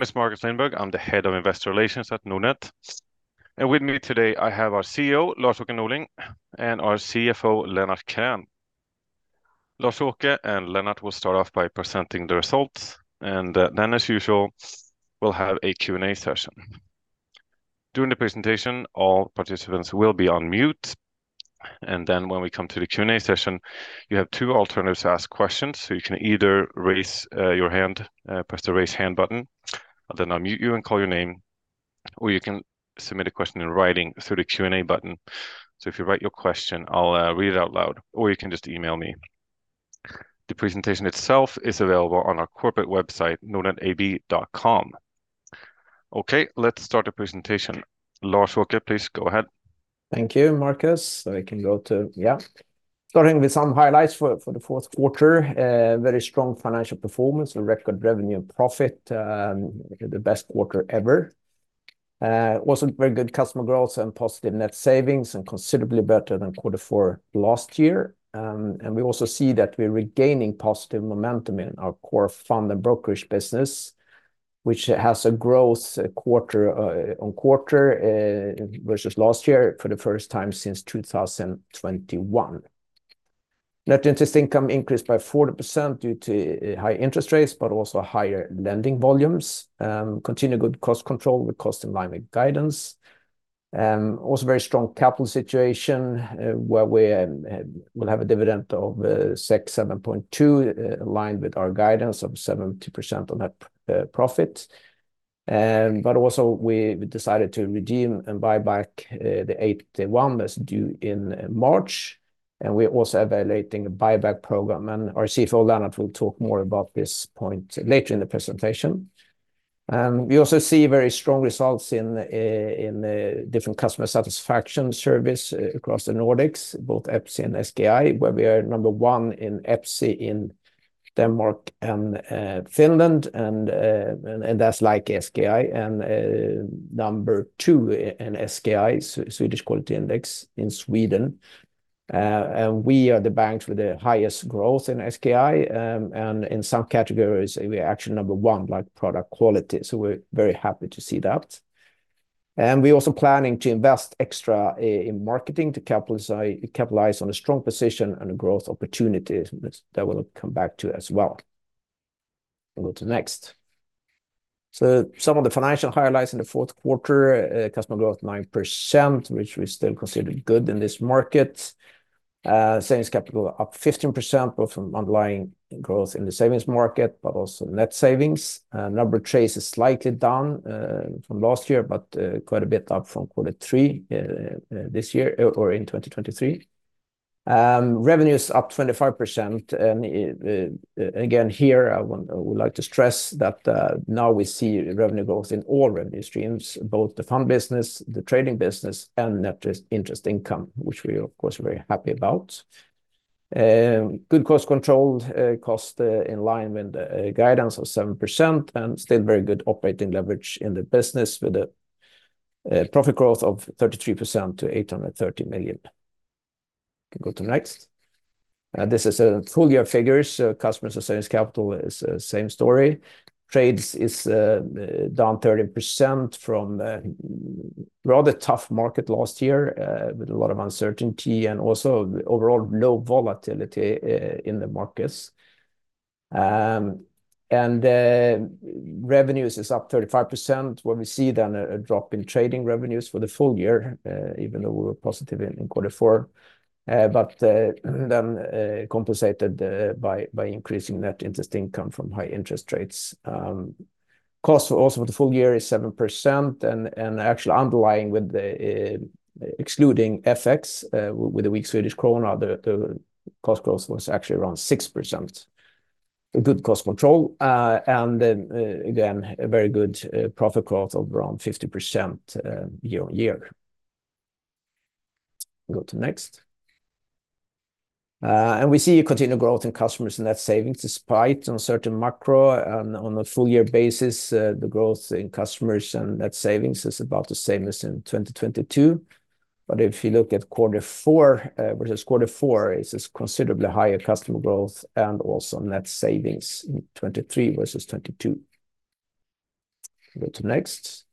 My name is Marcus Lindberg. I'm the Head of Investor Relations at Nordnet. And with me today, I have our CEO, Lars-Åke Norling, and our CFO, Lennart Krän. Lars-Åke and Lennart will start off by presenting the results, and then, as usual, we'll have a Q&A session. During the presentation, all participants will be on mute, and then when we come to the Q&A session, you have two alternatives to ask questions. So you can either raise your hand, press the Raise Hand button, and then I'll mute you and call your name, or you can submit a question in writing through the Q&A button. So if you write your question, I'll read it out loud, or you can just email me. The presentation itself is available on our corporate website, nordnetab.com. Okay, let's start the presentation. Lars-Åke, please go ahead. Thank you, Marcus. I can go to-- Yeah. Starting with some highlights for the fourth quarter, a very strong financial performance and record revenue and profit, the best quarter ever. Also very good customer growth and positive net savings, and considerably better than quarter four last year. And we also see that we're regaining positive momentum in our core fund and brokerage business, which has a growth quarter on quarter versus last year for the first time since 2021. Net interest income increased by 40% due to high interest rates, but also higher lending volumes. Continued good cost control with cost in line with guidance. Also very strong capital situation, where we'll have a dividend of 7.2, aligned with our guidance of 70% on net profit. But also we decided to redeem and buy back the AT1 that's due in March, and we're also evaluating a buyback program. Our CFO, Lennart, will talk more about this point later in the presentation. We also see very strong results in different customer satisfaction surveys across the Nordics, both EPSI and SKI, where we are number one in EPSI in Denmark and Finland, and that's like SKI, number two in SKI, Swedish Quality Index, in Sweden. We are the banks with the highest growth in SKI, and in some categories, we are actually number one, like product quality. So we're very happy to see that. We're also planning to invest extra in marketing to capitalize on a strong position and growth opportunities. That we'll come back to as well. We'll go to next. Some of the financial highlights in the fourth quarter, customer growth, 9%, which we still consider good in this market. Savings capital up 15%, both from underlying growth in the savings market, but also net savings. Number of trades is slightly down from last year, but quite a bit up from quarter three this year or in 2023. Revenues up 25%, and again, here, I would, I would like to stress that now we see revenue growth in all revenue streams, both the fund business, the trading business, and net interest, interest income, which we are, of course, very happy about. Good cost control, cost in line with the guidance of 7%, and still very good operating leverage in the business, with a profit growth of 33% to 830 million. Can go to the next. And this is full-year figures. So customers and savings capital is the same story. Trades is down 13% from a rather tough market last year, with a lot of uncertainty and also overall low volatility in the markets. And the revenues is up 35%, where we see then a drop in trading revenues for the full year, even though we were positive in quarter four. But then compensated by increasing net interest income from high interest rates. Cost also for the full year is 7%, and actually underlying with the excluding FX with the weak Swedish krona, the cost growth was actually around 6%. A good cost control and then again a very good profit growth of around 50% year on year. Go to next. And we see a continued growth in customers and net savings, despite uncertain macro on a full year basis, the growth in customers and net savings is about the same as in 2022. But if you look at quarter four versus quarter four, it's a considerably higher customer growth and also net savings in 2023 versus 2022. Go to next.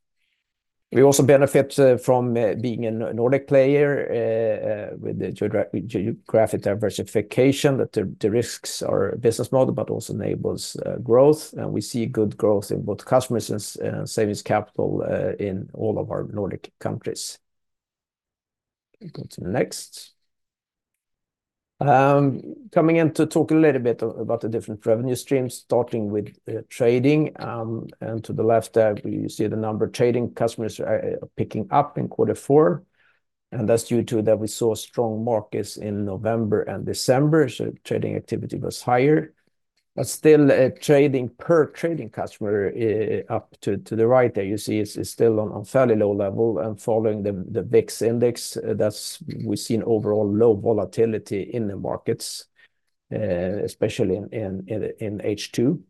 We also benefit from being a Nordic player with the geographic diversification, that the risks are business model, but also enables growth. We see good growth in both customers and savings capital in all of our Nordic countries. Go to the next. Coming in to talk a little bit about the different revenue streams, starting with trading. To the left there, you see the number of trading customers are picking up in quarter four, and that's due to that we saw strong markets in November and December, so trading activity was higher. But still, trading per trading customer, up to the right there, you see is still on fairly low level and following the VIX index, that's we've seen overall low volatility in the markets, especially in H2.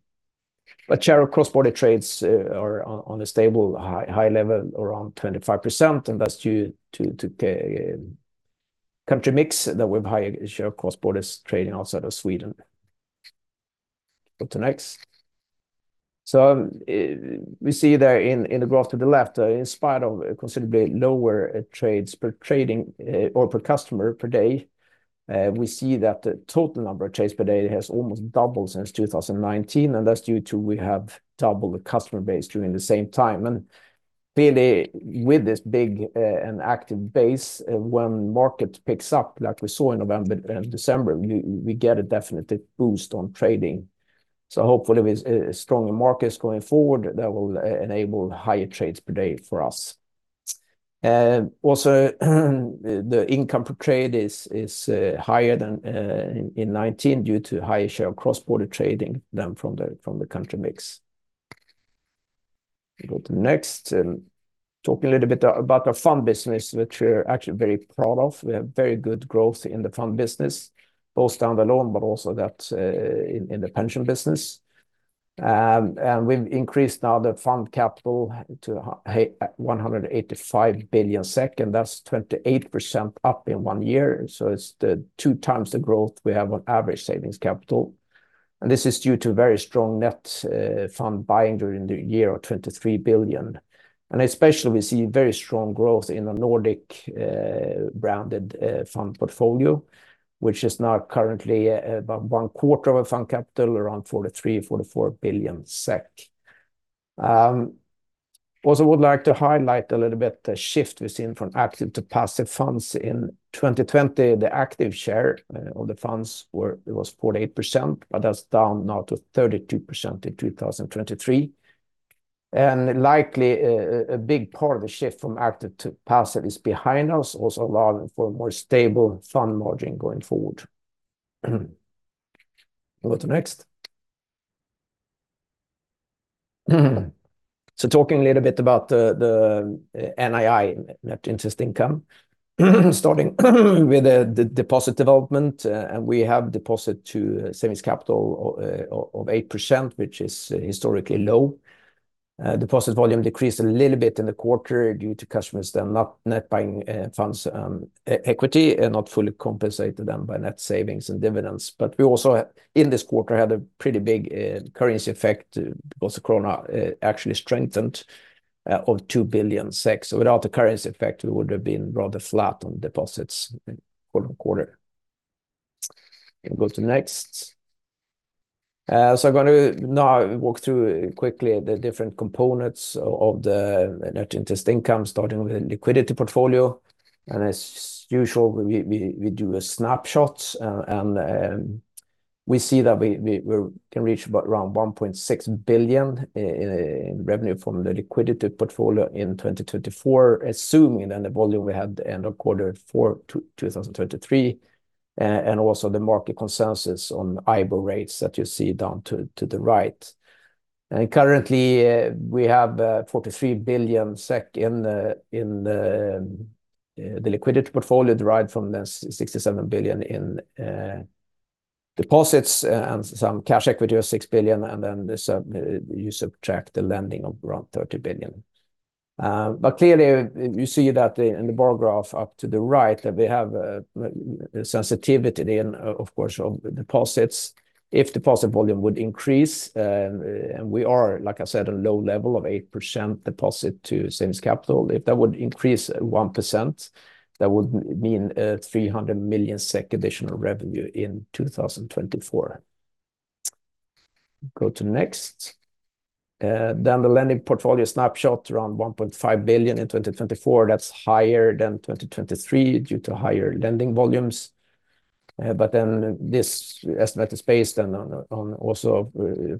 But share of cross-border trades are on a stable high level, around 25%, and that's due to. Country mix that with higher share of cross-border trading outside of Sweden. Go to next. So, we see there in the graph to the left, in spite of considerably lower trades per trading or per customer per day, we see that the total number of trades per day has almost doubled since 2019, and that's due to we have doubled the customer base during the same time. And really, with this big and active base, when market picks up, like we saw in November and December, we get a definitive boost on trading. So hopefully with stronger markets going forward, that will enable higher trades per day for us. Also, the income per trade is higher than in 2019 due to higher share of cross-border trading than from the country mix. Go to next. Talking a little bit about our fund business, which we're actually very proud of. We have very good growth in the fund business, both standalone, but also that in the pension business. And we've increased now the fund capital to a 185 billion SEK, and that's 28% up in one year. So it's the 2x the growth we have on average savings capital. And this is due to very strong net fund buying during the year of 23 billion. And especially, we see very strong growth in the Nordic branded fund portfolio, which is now currently about one quarter of our fund capital, around 43 billion-44 billion SEK. Also would like to highlight a little bit the shift we've seen from active to passive funds. In 2020, the active share of the funds was 48%, but that's down now to 32% in 2023. And likely, a big part of the shift from active to passive is behind us, also allowing for a more stable fund margin going forward. Go to next. So talking a little bit about the NII, net interest income, starting with the deposit development. And we have deposit to savings capital of 8%, which is historically low. Deposit volume decreased a little bit in the quarter due to customers then not net buying funds, equity, and not fully compensated them by net savings and dividends. But we also, in this quarter, had a pretty big currency effect, because the krona actually strengthened of 2 billion. So without the currency effect, we would have been rather flat on deposits quarter-on-quarter. Can go to the next. So I'm going to now walk through quickly the different components of the net interest income, starting with the liquidity portfolio. And as usual, we do a snapshot, and we see that we can reach about around 1.6 billion in revenue from the liquidity portfolio in 2024, assuming then the volume we had the end of quarter four 2023, and also the market consensus on IBOR rates that you see down to the right. Currently, we have 43 billion SEK in the liquidity portfolio, derived from the 67 billion in deposits, and some cash equity of 6 billion, and then you subtract the lending of around 30 billion. But clearly, you see that in the bar graph up to the right, that we have sensitivity then, of course, of deposits. If deposit volume would increase, and we are, like I said, a low level of 8% deposit to savings capital. If that would increase 1%, that would mean 300 million SEK additional revenue in 2024. Go to the next. Then the lending portfolio snapshot, around 1.5 billion in 2024. That's higher than 2023 due to higher lending volumes. But then this estimate is based on also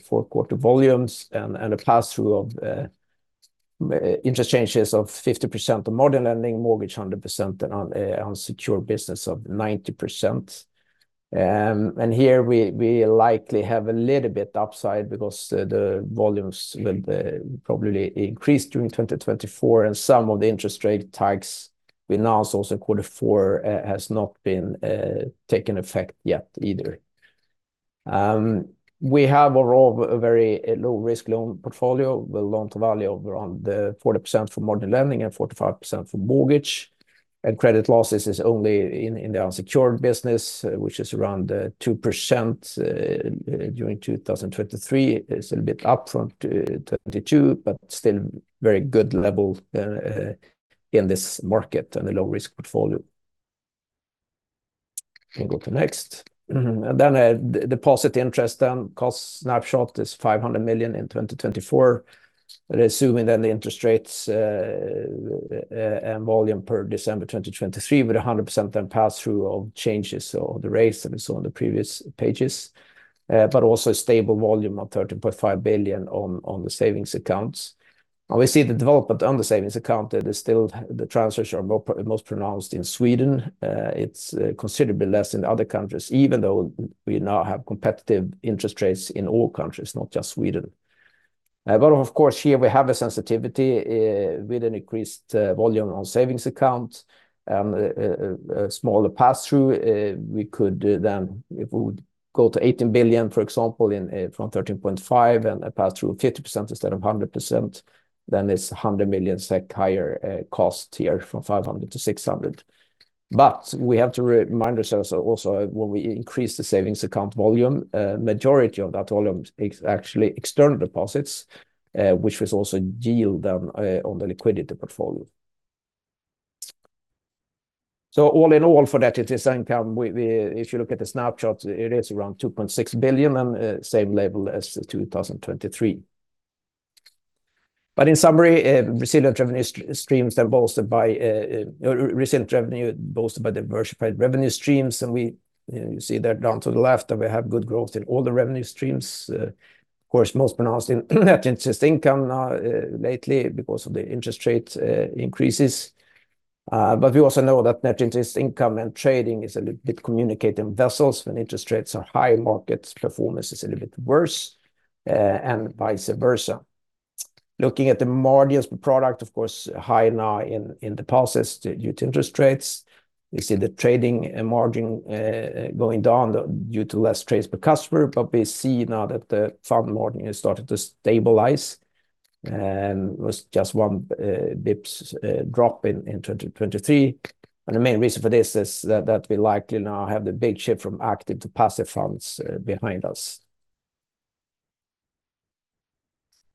fourth quarter volumes and a pass-through of interest changes of 50% on margin lending, mortgages, 100% on securities business of 90%. And here we likely have a little bit upside because the volumes will probably increase during 2024, and some of the interest rate hikes we announced also in quarter four has not been taken effect yet either. We have overall a very low-risk loan portfolio, with loan-to-value of around 40% for margin lending and 45% for mortgages. And credit losses is only in the unsecured business, which is around 2% during 2023. It's a little bit up from 2022, but still very good level in this market and a low-risk portfolio. Can go to next. And then, deposit interest then cost snapshot is 500 million in 2024, assuming that the interest rates and volume per December 2023, with a 100% pass-through of changes of the rates that we saw on the previous pages, but also a stable volume of 13.5 billion on the savings accounts. And we see the development on the savings account, that is still the transfers are most pronounced in Sweden. It's considerably less in other countries, even though we now have competitive interest rates in all countries, not just Sweden. But of course, here we have a sensitivity with an increased volume on savings accounts, a smaller pass-through, we could then. If we would go to 18 billion, for example, in from 13.5 and a pass-through of 50% instead of 100%, then it's 100 million SEK higher cost here, from 500 million-600 million. But we have to remind ourselves also, when we increase the savings account volume, majority of that volume is actually external deposits, which was also yield down on the liquidity portfolio. So all in all, for that interest income, we if you look at the snapshot, it is around 2.6 billion and same level as 2023. But in summary, resilient revenue streams are bolstered by diversified revenue streams. And we, you know, you see that down to the left, that we have good growth in all the revenue streams. Of course, most pronounced in net interest income lately because of the interest rate increases. But we also know that net interest income and trading is a little bit communicating vessels. When interest rates are high, market performance is a little bit worse, and vice versa. Looking at the margins per product, of course, high now in deposits due to interest rates. You see the trading and margin going down due to less trades per customer, but we see now that the fund margin has started to stabilize and was just one bps drop in 2023. And the main reason for this is that we likely now have the big shift from active to passive funds behind us.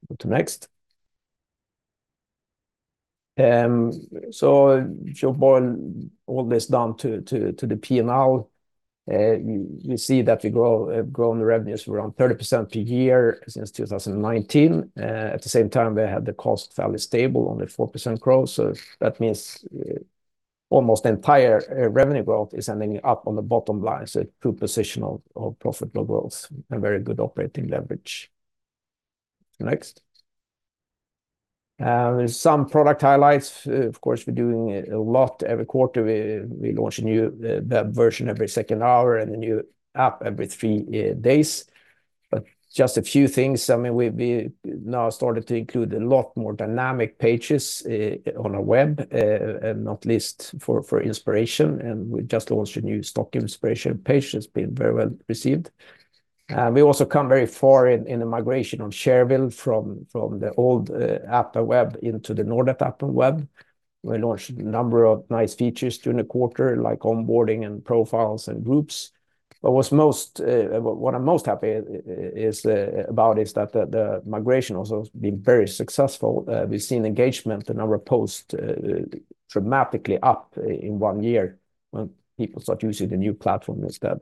Go to next. So if you boil all this down to the P&L, you see that we have grown the revenues around 30% per year since 2019. At the same time, we had the cost fairly stable, only 4% growth. So that means, almost the entire revenue growth is ending up on the bottom line. So good position of profitable growth and very good operating leverage. Next. There's some product highlights. Of course, we're doing a lot every quarter. We launch a new web version every second hour and a new app every three days. But just a few things, I mean, we've now started to include a lot more dynamic pages on our web, and not least for inspiration, and we just launched a new stock inspiration page. It's been very well received. We also come very far in the migration on Shareville from the old app and web into the Nordnet app and web. We launched a number of nice features during the quarter, like onboarding and profiles and groups. But what I'm most happy about is that the migration also been very successful. We've seen engagement, the number of posts, dramatically up in one year when people start using the new platform instead.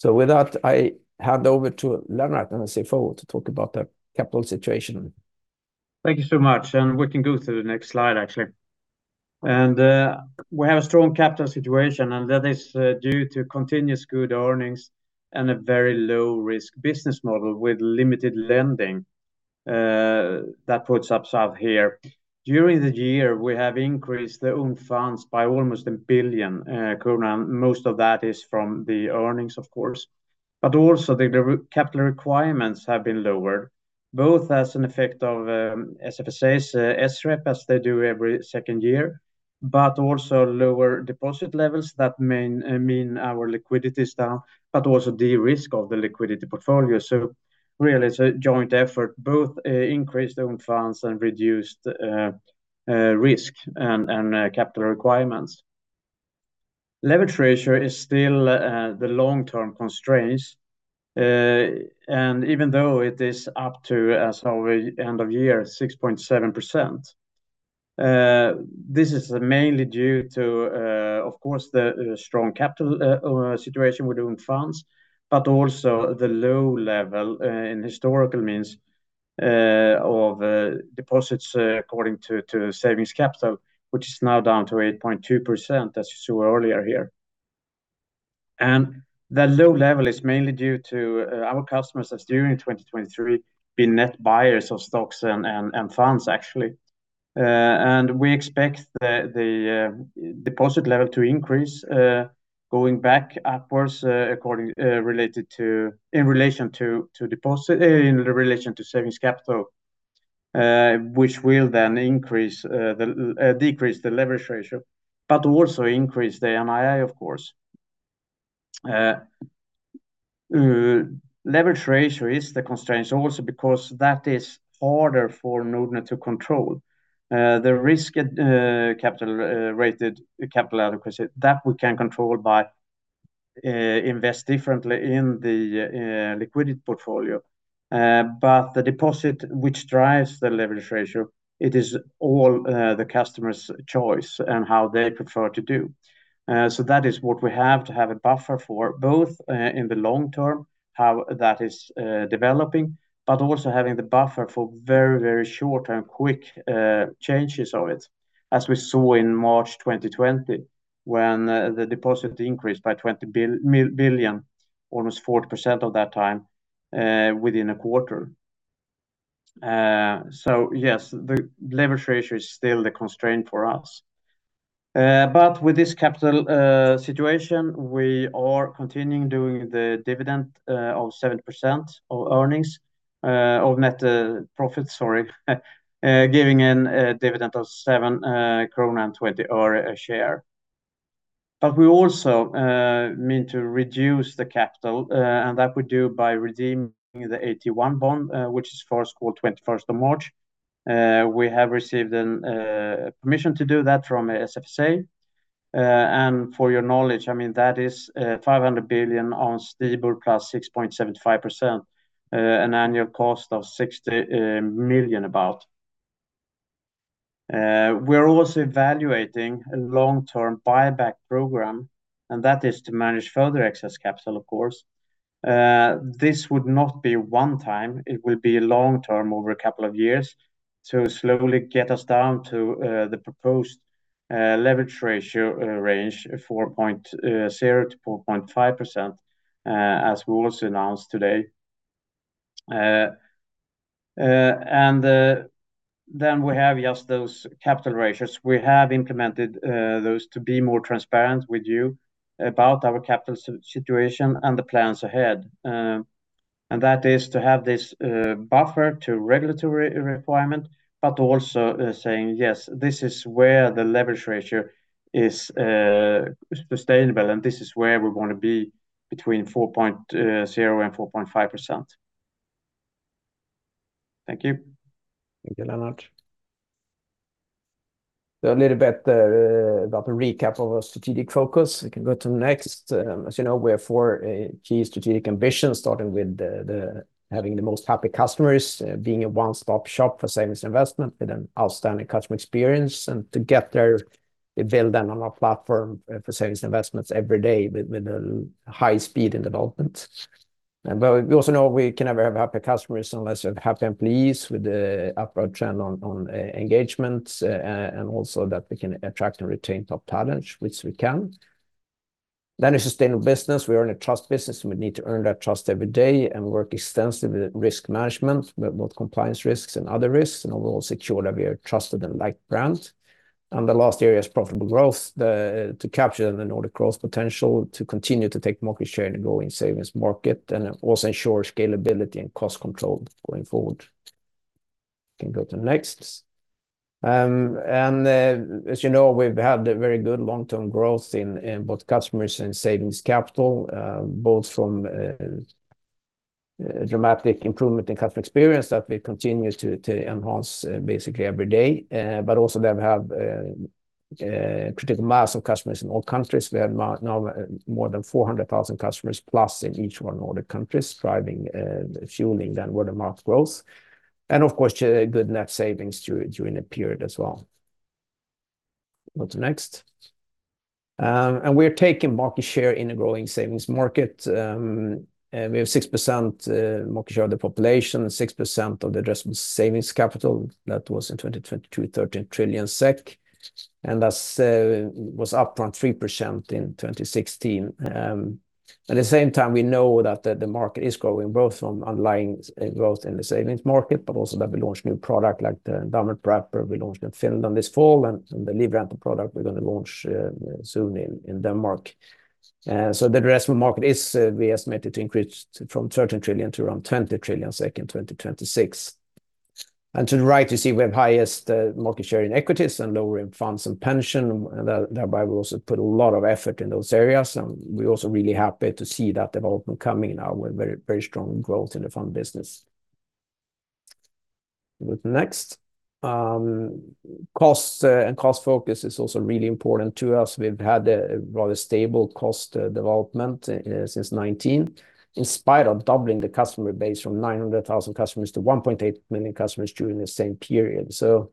So with that, I hand over to Lennart, our CFO, to talk about the capital situation. Thank you so much. We can go to the next slide, actually. We have a strong capital situation, and that is due to continuous good earnings and a very low-risk business model with limited lending that puts us up here. During the year, we have increased the own funds by almost 1 billion krona. Most of that is from the earnings, of course, but also the capital requirements have been lowered, both as an effect of SFSA's SREP, as they do every second year, but also lower deposit levels that mean our liquidity is down, but also the risk of the liquidity portfolio. So really, it's a joint effort, both increased own funds and reduced risk and capital requirements. Leverage ratio is still, the long-term constraints, and even though it is up to, as of end of year, 6.7%, this is mainly due to, of course, the strong capital situation with own funds, but also the low level, in historical means, of deposits according to savings capital, which is now down to 8.2%, as you saw earlier here. And that low level is mainly due to, our customers as during 2023, being net buyers of stocks and funds, actually. And we expect the deposit level to increase, going back upwards, according, related to. In relation to deposit, in relation to savings capital, which will then increase the decrease the leverage ratio, but also increase the NII, of course. Leverage ratio is the constraint also because that is harder for Nordnet to control. The risk capital, rated capital adequacy, that we can control by invest differently in the liquidity portfolio. But the deposit, which drives the leverage ratio, it is all the customer's choice and how they prefer to do. So that is what we have to have a buffer for, both, in the long-term, how that is developing, but also having the buffer for very, very short and quick changes of it, as we saw in March 2020, when the deposit increased by 20 billion, almost 40% at that time, within a quarter. So yes, the leverage ratio is still the constraint for us. But with this capital situation, we are continuing doing the dividend of 7% of net profit, sorry, giving a dividend of 7.20 krona a share. But we also mean to reduce the capital, and that we do by redeeming the AT1 bond, which is due 21st of March. We have received a permission to do that from SFSA. For your knowledge, I mean, that is 500 billion on stable plus 6.75%, an annual cost of about 60 million. We're also evaluating a long-term buyback program, and that is to manage further excess capital, of course. This would not be one time, it will be long-term over a couple of years to slowly get us down to the proposed leverage ratio range of 4.0%-4.5%, as we also announced today. And then we have just those capital ratios. We have implemented those to be more transparent with you about our capital situation and the plans ahead. And that is to have this buffer to regulatory requirement, but also saying, "Yes, this is where the leverage ratio is sustainable, and this is where we want to be between 4.0% and 4.5%." Thank you. Thank you, Lennart. A little bit about a recap of our strategic focus. We can go to the next. As you know, we have four key strategic ambitions, starting with having the most happy customers, being a one-stop shop for savings investment with an outstanding customer experience, and to get there, we build on our platform for savings investments every day with a high speed and development. But we also know we can never have happy customers unless you have happy employees with the upward trend on engagement, and also that we can attract and retain top talent, which we can. Then a sustainable business. We earn a trust business, and we need to earn that trust every day and work extensively with risk management, with both compliance risks and other risks, and we will secure that we are a trusted and liked brand. And the last area is profitable growth, to capture the Nordic growth potential, to continue to take market share in the growing savings market, and also ensure scalability and cost control going forward. We can go to the next. As you know, we've had a very good long-term growth in both customers and savings capital, both from dramatic improvement in customer experience that we continue to enhance, basically every day, but also that we have critical mass of customers in all countries. We have now more than 400,000 customers, plus in each one of the countries, driving, fueling the net worth growth, and of course, good net savings during the period as well. Go to next. And we're taking market share in a growing savings market. And we have 6%, market share of the population, 6% of the addressable savings capital. That was in 2022, 13 trillion SEK, and that was up from 3% in 2016. At the same time, we know that the market is growing, both from online growth in the savings market, but also that we launched new product, like the endowment wrap, we launched in Finland this fall, and the Livrente product we're gonna launch soon in Denmark. So the rest of the market is, we estimate it to increase from 13 trillion to around 20 trillion in 2026. And to the right, you see we have highest market share in equities and lower in funds and pension, and thereby, we also put a lot of effort in those areas, and we're also really happy to see that development coming. Now, we're very, very strong growth in the fund business. Go to next. Costs and cost focus is also really important to us. We've had a rather stable cost development since 2019, in spite of doubling the customer base from 900,000 customers to 1.8 million customers during the same period. So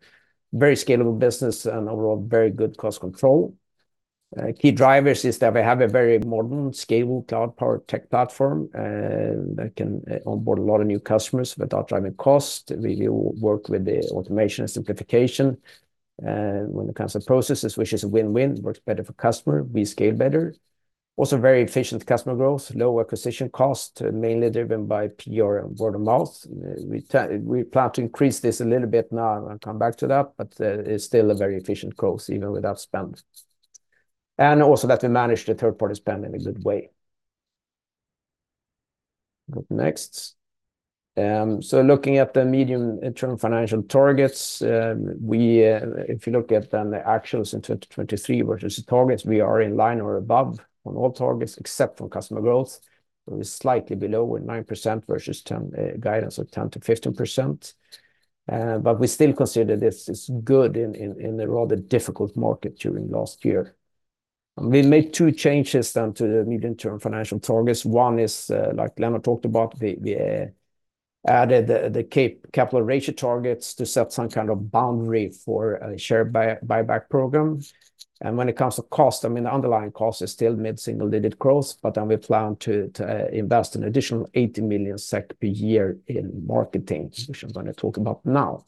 very scalable business and overall, very good cost control. Key drivers is that we have a very modern, scalable, cloud-powered tech platform, and that can onboard a lot of new customers without driving cost. We work with the automation and simplification when it comes to processes, which is a win-win, works better for customer, we scale better. Also, very efficient customer growth, low acquisition cost, mainly driven by PR and word of mouth. We plan to increase this a little bit now, and I'll come back to that, but it's still a very efficient growth even without spend. And also that we manage the third-party spend in a good way. Go next. So looking at the medium internal financial targets, we, if you look at then the actions in 2023 versus targets, we are in line or above on all targets, except for customer growth. We're slightly below with 9% versus 10%, guidance of 10%-15%. But we still consider this is good in a rather difficult market during last year. We made two changes then to the medium-term financial targets. One is, like Lennart talked about, we added the capital ratio targets to set some kind of boundary for a share buyback program. And when it comes to cost, I mean, the underlying cost is still mid-single-digit growth, but then we plan to invest an additional 80 million SEK per year in marketing, which I'm gonna talk about now.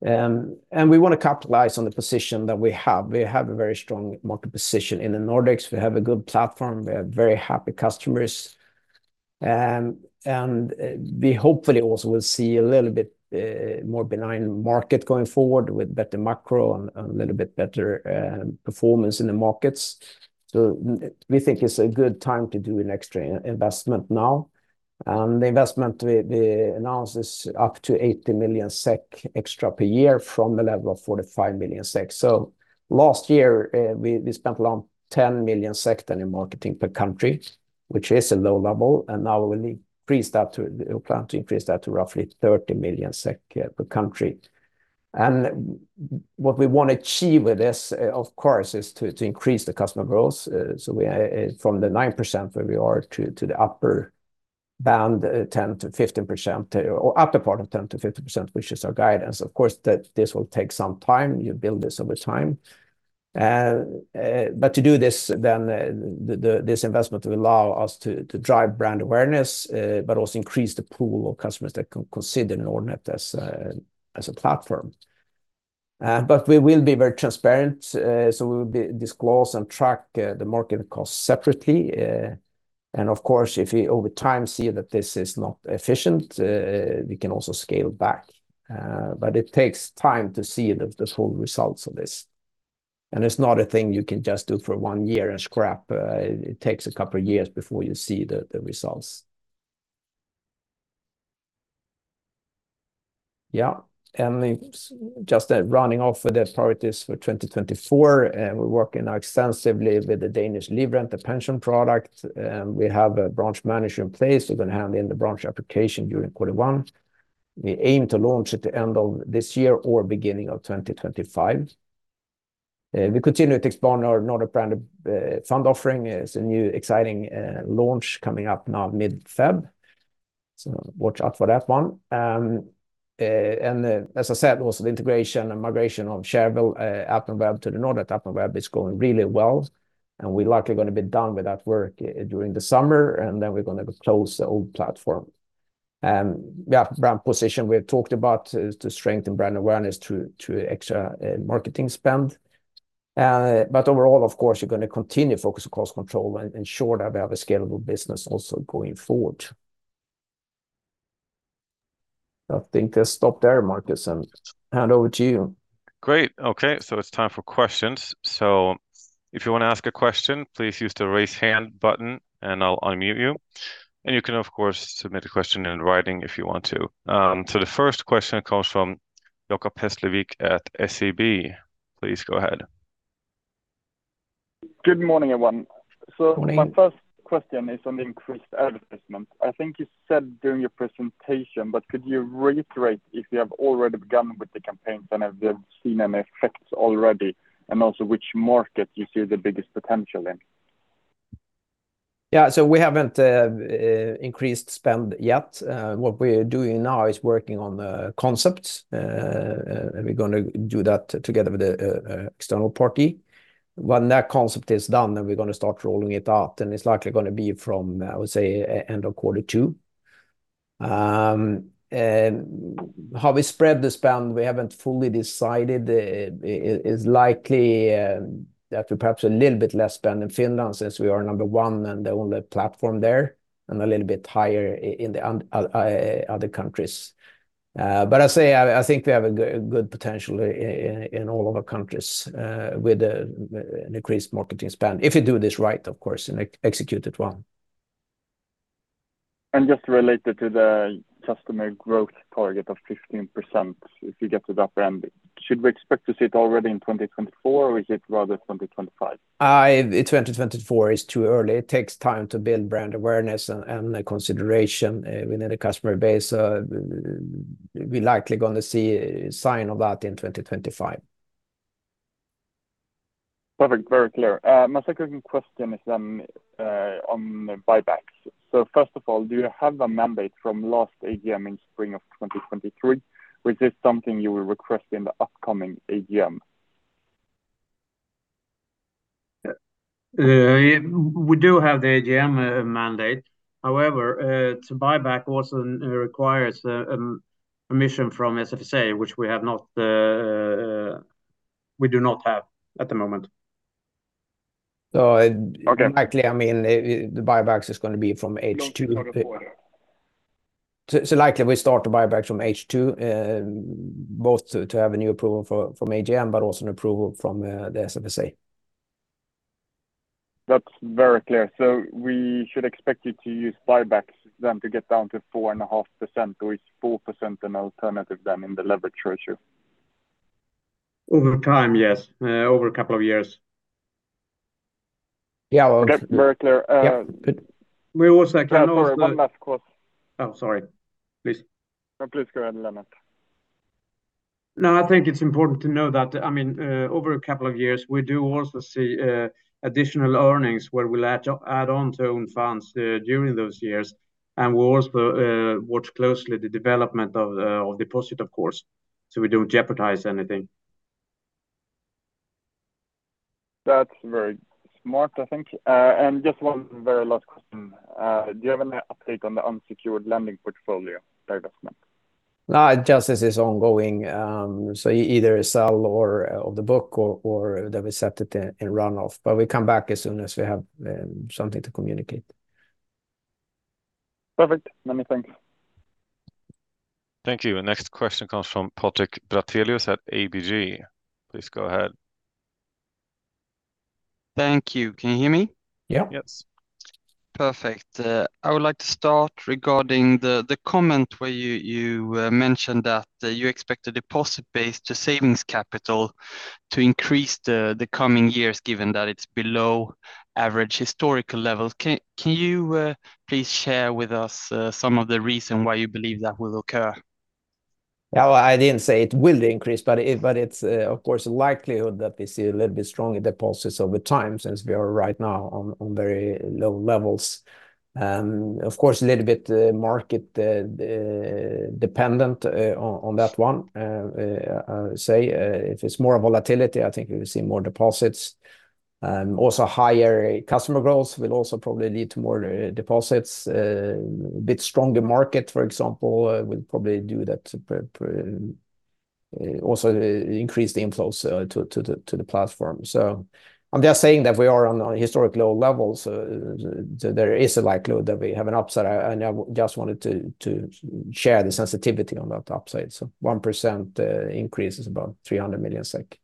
We want to capitalize on the position that we have. We have a very strong market position in the Nordics. We have a good platform, we have very happy customers, and we hopefully also will see a little bit more benign market going forward with better macro and a little bit better performance in the markets. So we think it's a good time to do an extra investment now. And the investment we announced is up to 80 million SEK extra per year from the level of 45 million SEK. So last year we spent around 10 million SEK in marketing per country, which is a low level, and now we will increase that to—we plan to increase that to roughly 30 million SEK per country. And what we want to achieve with this, of course, is to increase the customer growth. So we're from the 9% where we are to the upper bound, 10%-15%, or upper part of 10%-15%, which is our guidance. Of course, that this will take some time. You build this over time. And, but to do this, then the this investment will allow us to drive brand awareness, but also increase the pool of customers that can consider Nordnet as a platform. But we will be very transparent, so we will be disclose and track the market cost separately. And of course, if we over time see that this is not efficient, we can also scale back. But it takes time to see the full results of this, and it's not a thing you can just do for one year and scrap. It takes a couple of years before you see the results. Yeah, and just running off the priorities for 2024, and we're working now extensively with the Danish Livrente pension product. We have a branch manager in place. We're going to hand in the branch application during quarter one. We aim to launch at the end of this year or beginning of 2025. We continue to expand our Nordnet brand fund offering. It's a new, exciting launch coming up now mid-February, so watch out for that one. And as I said, also, the integration and migration of Shareville app and web to the Nordnet app and web is going really well, and we're likely going to be done with that work during the summer, and then we're going to close the old platform. Yeah, brand position, we have talked about to strengthen brand awareness through extra marketing spend. But overall, of course, you're going to continue to focus on cost control and ensure that we have a scalable business also going forward. I think let's stop there, Marcus, and hand over to you. Great. Okay, so it's time for questions. So if you want to ask a question, please use the Raise Hand button, and I'll unmute you. And you can, of course, submit a question in writing if you want to. So the first question comes from Jacob Hesslevik at SEB. Please go ahead. Good morning, everyone. Morning. My first question is on the increased advertisement. I think you said during your presentation, but could you reiterate if you have already begun with the campaigns and have you seen any effects already, and also which market you see the biggest potential in? Yeah. So we haven't increased spend yet. What we're doing now is working on the concepts. And we're going to do that together with an external party. When that concept is done, then we're going to start rolling it out, and it's likely going to be from, I would say, end of quarter two. And how we spread the spend, we haven't fully decided. It is likely that we perhaps a little bit less spend in Finland, since we are number one and the only platform there, and a little bit higher in the other countries. But I say I think we have a good potential in all of our countries with an increased marketing spend, if you do this right, of course, and execute it well. Just related to the customer growth target of 15%, if you get to the upper end, should we expect to see it already in 2024, or is it rather 2025? In 2024 is too early. It takes time to build brand awareness and consideration within the customer base. We likely going to see a sign of that in 2025. Perfect. Very clear. My second question is on buybacks. So first of all, do you have a mandate from last AGM in spring of 2023? Or is this something you will request in the upcoming AGM? We do have the AGM mandate. However, to buyback also requires permission from SFSA, which we have not. We do not have at the moment. So- Okay .likely, I mean, the buybacks is going to be from H2. So likely we start the buyback from H2, both to have a new approval from AGM, but also an approval from the SFSA. That's very clear. So we should expect you to use buybacks then to get down to 4.5%, or is 4% an alternative than in the levered treasury? Over time, yes. Over a couple of years. Yeah. That's very clear. We also can— Sorry, one last question. Oh, sorry. Please. No, please go ahead, Lennart. No, I think it's important to know that, I mean, over a couple of years, we do also see additional earnings, where we'll add, add on to own funds during those years. And we'll also watch closely the development of, of deposit, of course, so we don't jeopardize anything. That's very smart, I think. Just one very last question. Do you have any update on the unsecured lending portfolio investment? No, just this is ongoing. So either a sale of the book or that we set it in run-off, but we come back as soon as we have something to communicate. Perfect. Let me thank you. Thank you. Next question comes from Patrik Brattelius at ABG. Please go ahead. Thank you. Can you hear me? Yeah. Yes. Perfect. I would like to start regarding the comment where you mentioned that you expect a deposit base to savings capital to increase the coming years, given that it's below average historical levels. Can you please share with us some of the reason why you believe that will occur? Yeah, well, I didn't say it will increase, but it's of course a likelihood that we see a little bit stronger deposits over time, since we are right now on very low levels. Of course, a little bit market dependent on that one. If it's more volatility, I think we will see more deposits. Also higher customer growth will also probably lead to more deposits. A bit stronger market, for example, will probably do that, also increase the inflows to the platform. So I'm just saying that we are on a historic low levels. There is a likelihood that we have an upside. I just wanted to share the sensitivity on that upside. So 1% increase is about 300 million SEK.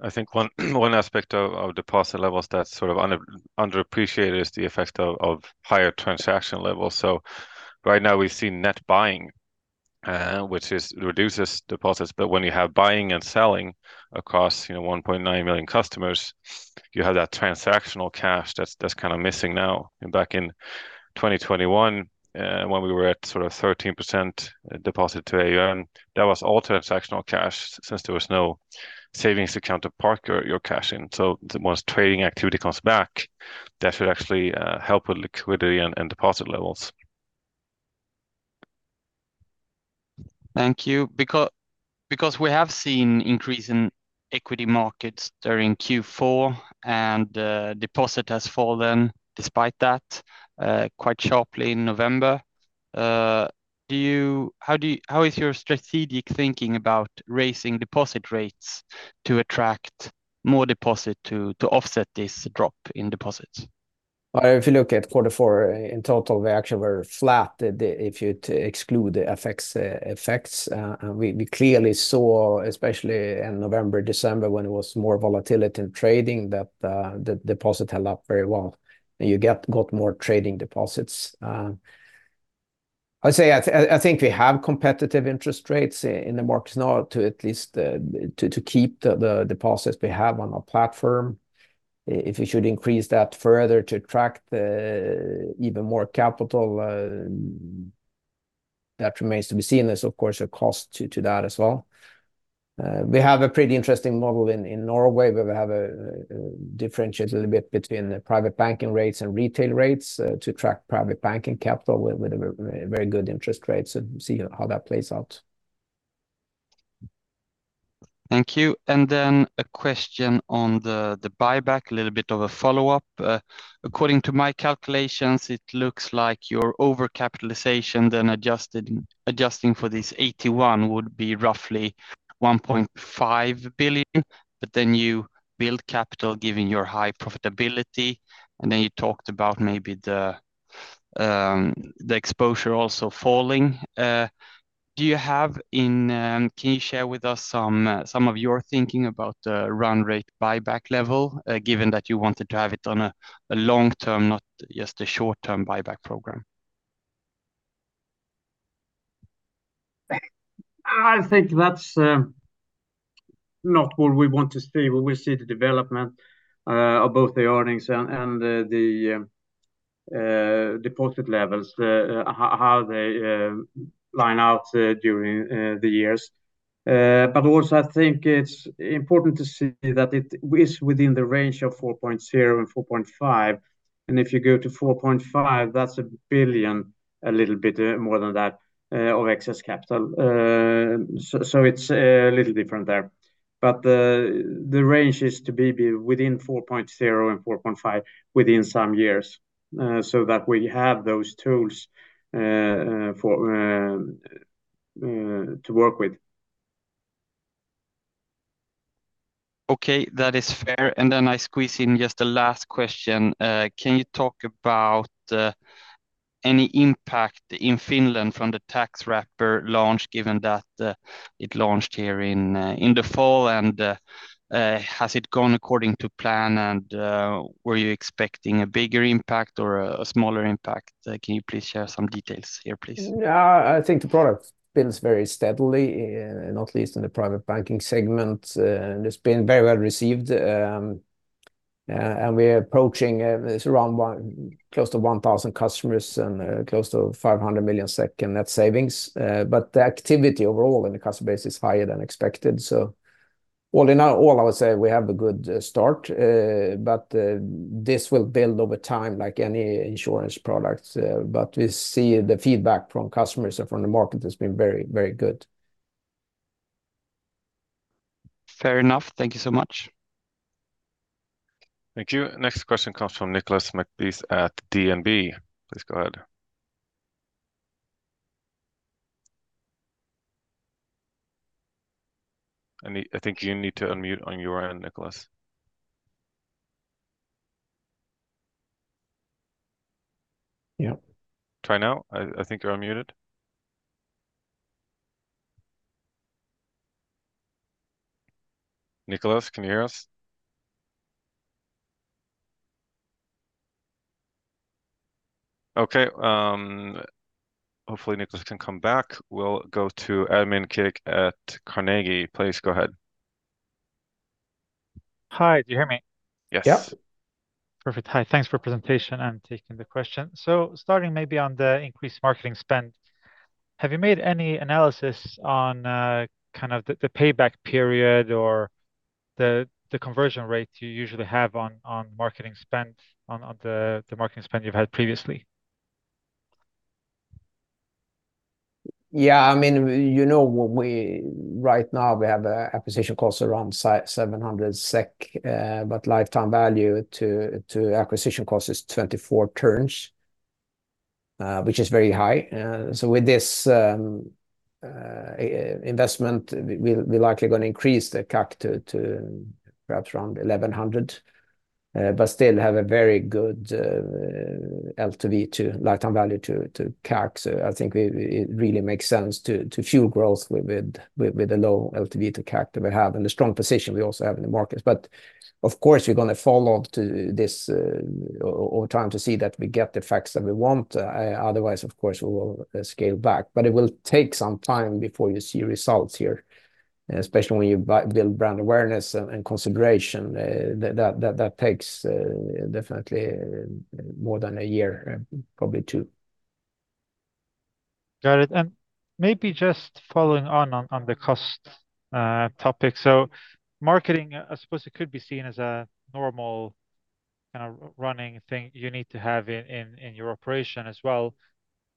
I think one aspect of deposit levels that's sort of underappreciated is the effect of higher transaction levels. So right now, we've seen net buying, which reduces deposits. But when you have buying and selling across, you know, 1.9 million customers, you have that transactional cash that's kind of missing now. And back in 2021, when we were at sort of 13% deposit to AUM, that was all transactional cash since there was no savings account to park your cash in. So the most trading activity comes back, that should actually help with liquidity and deposit levels. Thank you. Because we have seen increase in equity markets during Q4, and deposit has fallen despite that quite sharply in November. How is your strategic thinking about raising deposit rates to attract more deposit to offset this drop in deposits? Well, if you look at quarter four in total, we actually were flat. If you to exclude the effects, we clearly saw, especially in November, December, when it was more volatility in trading, that the deposit held up very well, and you got more trading deposits. I'd say I think we have competitive interest rates in the markets now to at least to keep the deposits we have on our platform. If we should increase that further to attract even more capital, that remains to be seen. There's, of course, a cost to that as well. We have a pretty interesting model in Norway, where we have a differentiate a little bit between the private banking rates and retail rates, to track private banking capital with a very good interest rates and see how that plays out. Thank you. And then a question on the buyback, a little bit of a follow-up. According to my calculations, it looks like your overcapitalization, then adjusted, adjusting for this AT1 would be roughly 1.5 billion, but then you build capital, given your high profitability, and then you talked about maybe the exposure also falling. Do you have in. Can you share with us some of your thinking about the run rate buyback level, given that you wanted to have it on a long-term, not just a short-term buyback program? I think that's not what we want to see. We will see the development of both the earnings and the deposit levels, how they line out during the years. But also I think it's important to see that it is within the range of 4.0%-4.5%, and if you go to 4.5%, that's 1 billion, a little bit more than that, of excess capital. So it's a little different there. But the range is to be within 4.0%-4.5% within some years, so that we have those tools for to work with. Okay, that is fair. And then I squeeze in just a last question. Can you talk about any impact in Finland from the tax wrapper launch, given that it launched here in the fall, and has it gone according to plan, and were you expecting a bigger impact or a smaller impact? Can you please share some details here, please? Yeah, I think the product spins very steadily, not least in the private banking segment. It's been very well received, and we're approaching, it's around close to 1,000 customers and close to 500 million net savings. But the activity overall in the customer base is higher than expected. So all in all, I would say we have a good start, but this will build over time, like any insurance product, but we see the feedback from customers and from the market has been very, very good. Fair enough. Thank you so much. Thank you. Next question comes from Niclas McBeath at DNB. Please go ahead. I think you need to unmute on your end, Niclas. Yep. Try now. I think you're unmuted. Niclas, can you hear us? Okay, hopefully, Niclas can come back. We'll go to Ermin Keric at Carnegie. Please, go ahead. Hi, do you hear me? Yes. Yep. Perfect. Hi, thanks for the presentation and for taking the question. So starting maybe on the increased marketing spend, have you made any analysis on kind of the payback period or the conversion rate you usually have on the marketing spend—the marketing spend you've had previously? Yeah, I mean, you know, we right now, we have a acquisition cost around 700 SEK, but lifetime value to acquisition cost is 24 turns, which is very high. So with this investment, we likely gonna increase the CAC to perhaps around 1,100, but still have a very good LTV to lifetime value to CAC. So I think it really makes sense to fuel growth with the low LTV to CAC that we have, and the strong position we also have in the markets. But of course, we're gonna follow to this over time to see that we get the facts that we want. Otherwise, of course, we will scale back. But it will take some time before you see results here, especially when you build brand awareness and consideration. That takes definitely more than a year, probably two. Got it. And maybe just following on the cost topic. So marketing, I suppose it could be seen as a normal kind of running thing you need to have in your operation as well.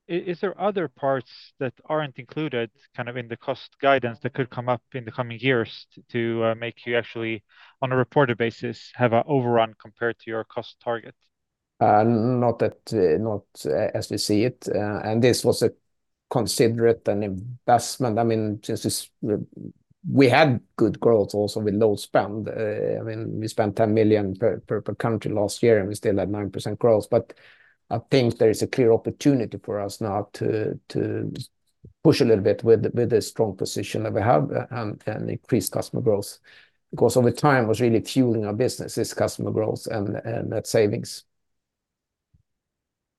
Is there other parts that aren't included, kind of in the cost guidance that could come up in the coming years to make you actually, on a reported basis, have an overrun compared to your cost target? Not as we see it, and this was a considerable investment. I mean, just as we had good growth also with low spend. I mean, we spent 10 million per country last year, and we still had 9% growth. But I think there is a clear opportunity for us now to push a little bit with the strong position that we have and increase customer growth. Because over time, what's really fueling our business is customer growth and net savings.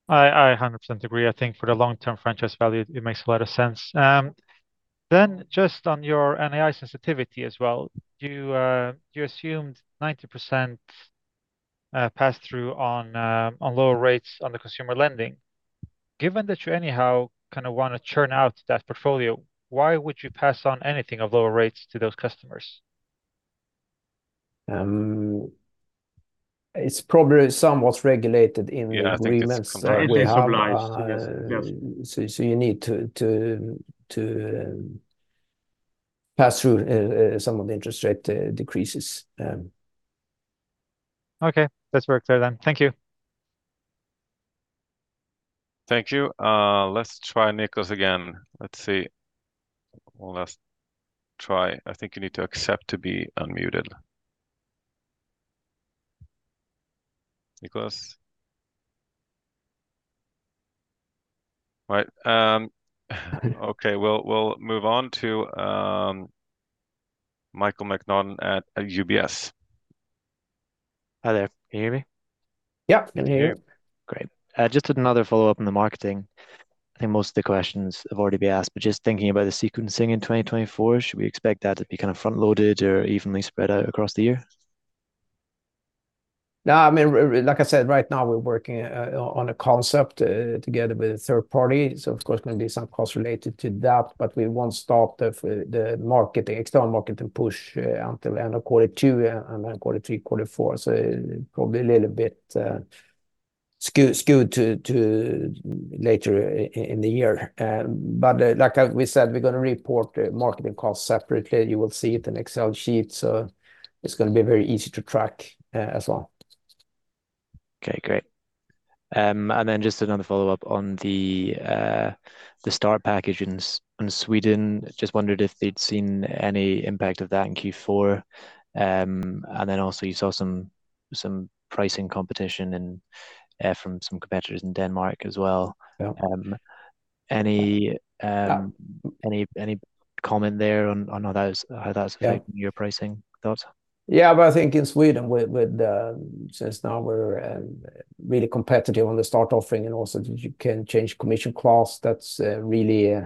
I 100% agree. I think for the long-term franchise value, it makes a lot of sense. Then just on your NII sensitivity as well, you assumed 90% pass-through on lower rates on the consumer lending. Given that you anyhow kinda wanna churn out that portfolio, why would you pass on anything of lower rates to those customers? It's probably somewhat regulated in the agreements. Yeah, I think it's compliant. It is obliged. Yes. You need to pass through some of the interest rate decreases. Okay, that's worked out then. Thank you. Thank you. Let's try Niclas again. One last try. I think you need to accept to be unmuted. Niclas? Right, okay, we'll move on to Michael Macnaughton at UBS. Hi there. Can you hear me? Yep, can hear you. Yep. Great. Just another follow-up on the marketing. I think most of the questions have already been asked, but just thinking about the sequencing in 2024, should we expect that to be kind of front-loaded or evenly spread out across the year? No, I mean, like I said, right now, we're working on a concept together with a third party. So of course, there may be some costs related to that, but we won't start the marketing, external marketing push, until end of quarter two, and then quarter three, quarter four. So probably a little bit, skewed to later in the year. But, like, we said, we're gonna report the marketing costs separately. You will see it in Excel sheet, so it's gonna be very easy to track, as well. Okay, great. And then just another follow-up on the start package in Sweden. Just wondered if they'd seen any impact of that in Q4. And then also, you saw some pricing competition and from some competitors in Denmark as well. Yep. Any comment there on how that's. Yeah. Affecting your pricing thoughts? Yeah, but I think in Sweden, with, with, since now we're really competitive on the start offering, and also you can change commission class, that's really.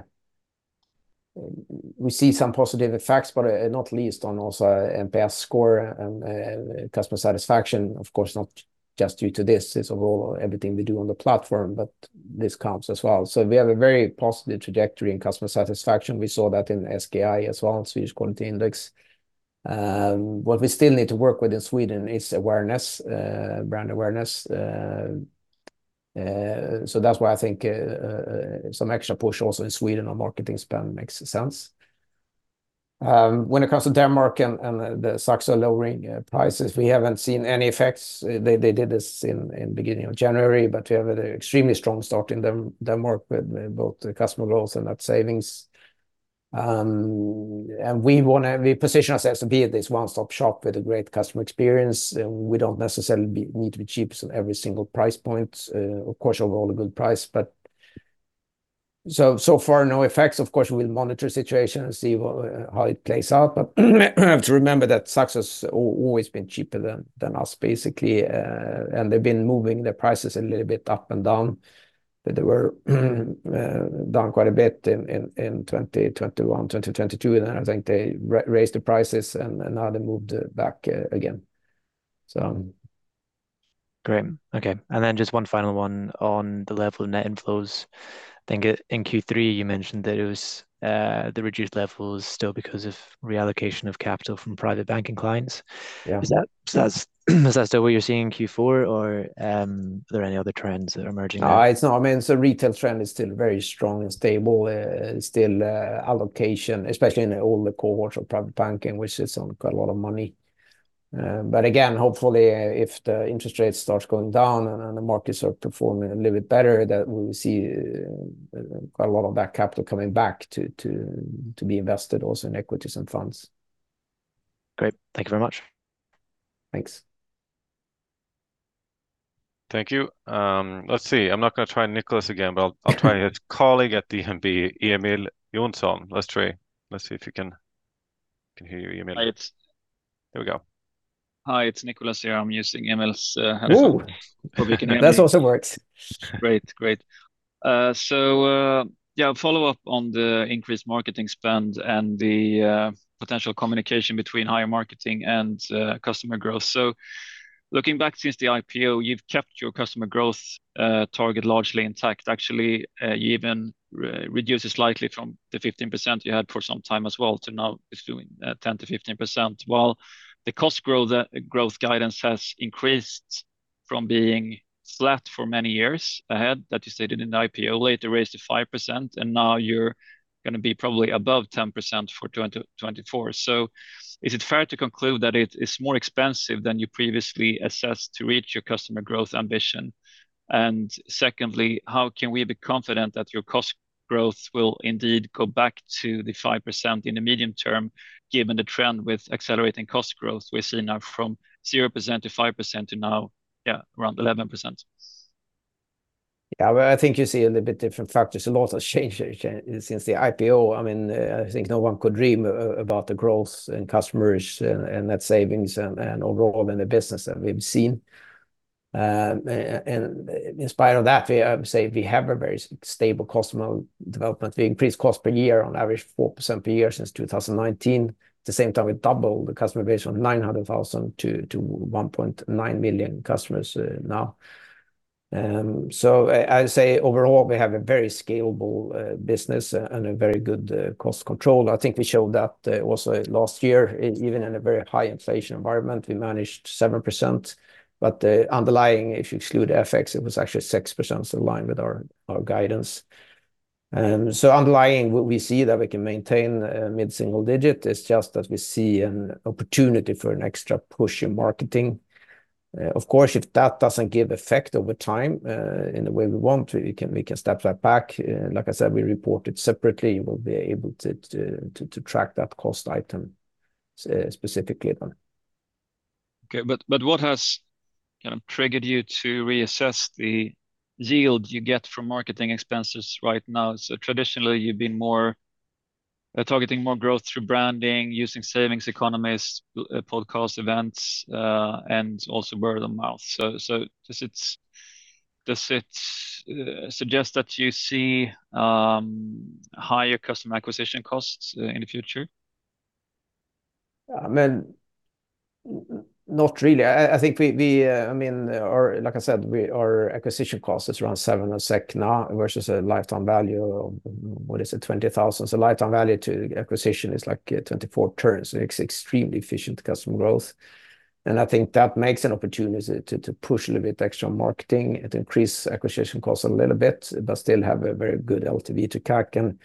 We see some positive effects, but, not least on also NPS score and customer satisfaction. Of course, not just due to this, it's of all, everything we do on the platform, but this counts as well. So we have a very positive trajectory in customer satisfaction. We saw that in SKI as well, Swedish Quality Index. What we still need to work with in Sweden is awareness, brand awareness, so that's why I think some extra push also in Sweden on marketing spend makes sense. When it comes to Denmark and the Saxo lowering prices, we haven't seen any effects. They did this in the beginning of January, but we have an extremely strong start in Denmark with both the customer growth and net savings. And we want to position ourselves to be this one-stop shop with a great customer experience. And we don't necessarily need to be cheapest on every single price point. Of course, overall, a good price, but so far, no effects. Of course, we'll monitor the situation and see what how it plays out. But you have to remember that Saxo's always been cheaper than us, basically. And they've been moving their prices a little bit up and down, but they were down quite a bit in 2021, 2022, and then I think they raised the prices, and now they moved it back again, so. Great. Okay, and then just one final one on the level of net inflows. I think it, in Q3, you mentioned that it was the reduced levels still because of reallocation of capital from private banking clients. Yeah. Is that still what you're seeing in Q4, or are there any other trends that are emerging there? It's not—I mean, so retail trend is still very strong and stable. Still, allocation, especially in the older cohorts of private banking, which is on quite a lot of money. But again, hopefully, if the interest rate starts going down and then the markets are performing a little bit better, that we will see quite a lot of that capital coming back to be invested also in equities and funds. Great. Thank you very much. Thanks. Thank you. Let's see. I'm not gonna try Niclas again, but I'll try his colleague at DNB, Emil Johnsen. Let's try. Let's see if you can hear you, Emil. Hi, it's. There we go. Hi, it's Niclas here. I'm using Emil's headset. Oh! Hope you can hear me. That also works. Great, great. So, yeah, follow up on the increased marketing spend and the potential communication between higher marketing and customer growth. So looking back since the IPO, you've kept your customer growth target largely intact. Actually, you even reduced slightly from the 15% you had for some time as well to now it's doing 10%-15%, while the cost growth guidance has increased from being flat for many years ahead, that you stated in the IPO. Later, raised to 5%, and now you're gonna be probably above 10% for 2024. So is it fair to conclude that it is more expensive than you previously assessed to reach your customer growth ambition? Secondly, how can we be confident that your cost growth will indeed go back to the 5% in the medium term, given the trend with accelerating cost growth we're seeing now from 0%-5% to now, yeah, around 11%? Yeah, well, I think you see a little bit different factors. A lot has changed since the IPO. I mean, I think no one could dream about the growth in customers and net savings and overall in the business that we've seen. And in spite of that, we, I would say we have a very stable customer development. We increased cost per year on average 4% per year since 2019. At the same time, we doubled the customer base from 900,000 to 1.9 million customers now. So I, I'd say overall, we have a very scalable business and a very good cost control. I think we showed that also last year. Even in a very high inflation environment, we managed 7%, but the underlying, if you exclude FX, it was actually 6% in line with our guidance. So underlying, what we see that we can maintain, mid-single-digit, it's just that we see an opportunity for an extra push in marketing. Of course, if that doesn't give effect over time, in the way we want, we can step that back. Like I said, we report it separately. We'll be able to track that cost item specifically then. Okay, but what has kind of triggered you to reassess the yield you get from marketing expenses right now? So traditionally, you've been more targeting more growth through branding, using savings economists, podcast events, and also word of mouth. So does it suggest that you see higher customer acquisition costs in the future? I mean, not really. I think we, I mean, our. Like I said, our acquisition cost is around 7 now, versus a lifetime value of, what is it? 20,000. So lifetime value to acquisition is, like, 24 turns. It's extremely efficient customer growth, and I think that makes an opportunity to push a little bit extra on marketing. It increase acquisition costs a little bit, but still have a very good LTV to CAC.